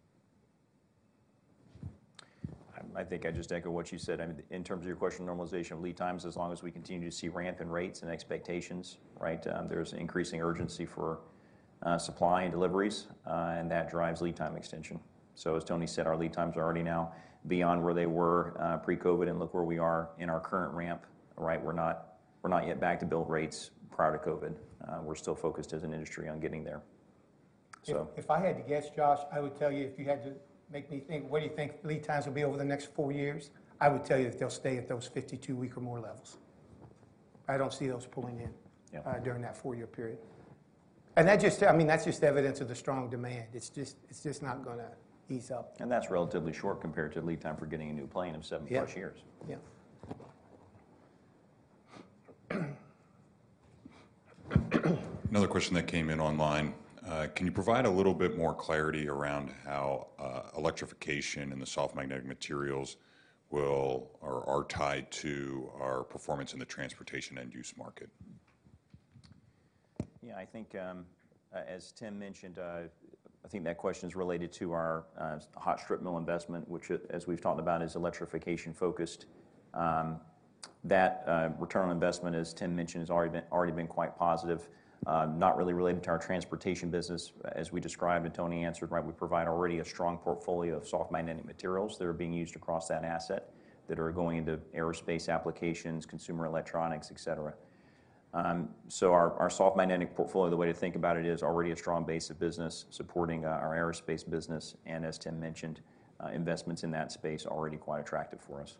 I think I just echo what you said. I mean, in terms of your question on normalization of lead times, as long as we continue to see ramp in rates and expectations, right, there's increasing urgency for supply and deliveries, and that drives lead time extension. As Tony said, our lead times are already now beyond where they were pre-COVID, and look where we are in our current ramp, right? We're not, we're not yet back to build rates prior to COVID. We're still focused as an industry on getting there. If I had to guess, Josh, I would tell you if you had to make me think, "What do you think lead times will be over the next four years?" I would tell you that they'll stay at those 52-week or more levels. I don't see those pulling in- Yeah... during that four-year period. I mean, that's just evidence of the strong demand. It's just not gonna ease up. That's relatively short compared to the lead time for getting a new plane of 7+ years. Yeah. Yeah. Another question that came in online. Can you provide a little bit more clarity around how electrification and the soft magnetic materials will or are tied to our performance in the transportation end-use market? Yeah, I think, as Tim mentioned, I think that question's related to our hot strip mill investment, which, as we've talked about, is electrification-focused. That ROI, as Tim mentioned, has already been quite positive. Not really related to our transportation business. We described and Tony answered, right, we provide already a strong portfolio of soft magnetic materials that are being used across that asset, that are going into aerospace applications, consumer electronics, etc.. Our soft magnetic portfolio, the way to think about it, is already a strong base of business supporting our aerospace business, as Tim mentioned, investments in that space already quite attractive for us.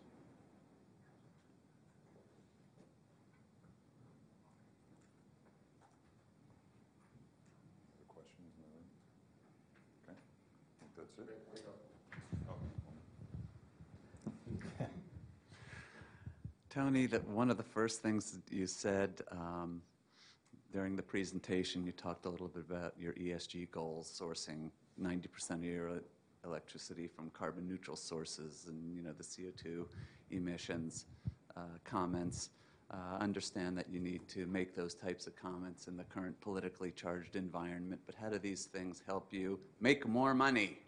Other questions in the room? Okay. I think that's it. Okay, we're done. Oh. Tony, one of the first things that you said during the presentation, you talked a little bit about your ESG goals sourcing 90% of your electricity from carbon neutral sources and, you know, the CO2 emissions comments. Understand that you need to make those types of comments in the current politically charged environment, but how do these things help you make more money?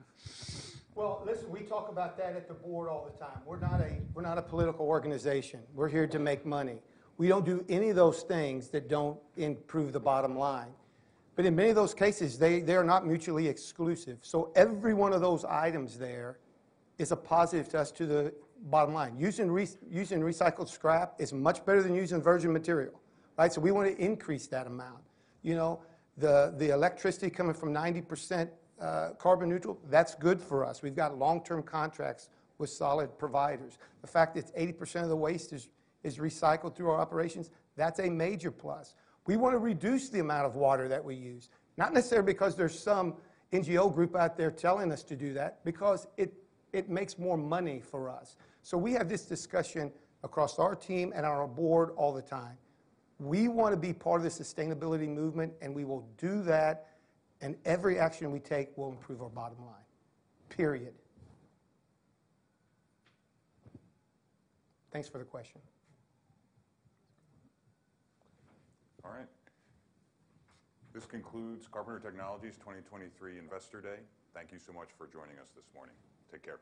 Listen, we talk about that at the board all the time. We're not a political organization. We're here to make money. We don't do any of those things that don't improve the bottom line. In many of those cases, they are not mutually exclusive. Every one of those items there is a positive to us to the bottom line. Using recycled scrap is much better than using virgin material, right? We wanna increase that amount. You know, the electricity coming from 90% carbon neutral, that's good for us. We've got long-term contracts with solid providers. The fact that 80% of the waste is recycled through our operations, that's a major plus. We wanna reduce the amount of water that we use, not necessarily because there's some NGO group out there telling us to do that, because it makes more money for us. We have this discussion across our team and on our board all the time. We wanna be part of the sustainability movement, and we will do that, and every action we take will improve our bottom line, period. Thanks for the question. All right. This concludes Carpenter Technology's 2023 Investor Day. Thank you so much for joining us this morning. Take care.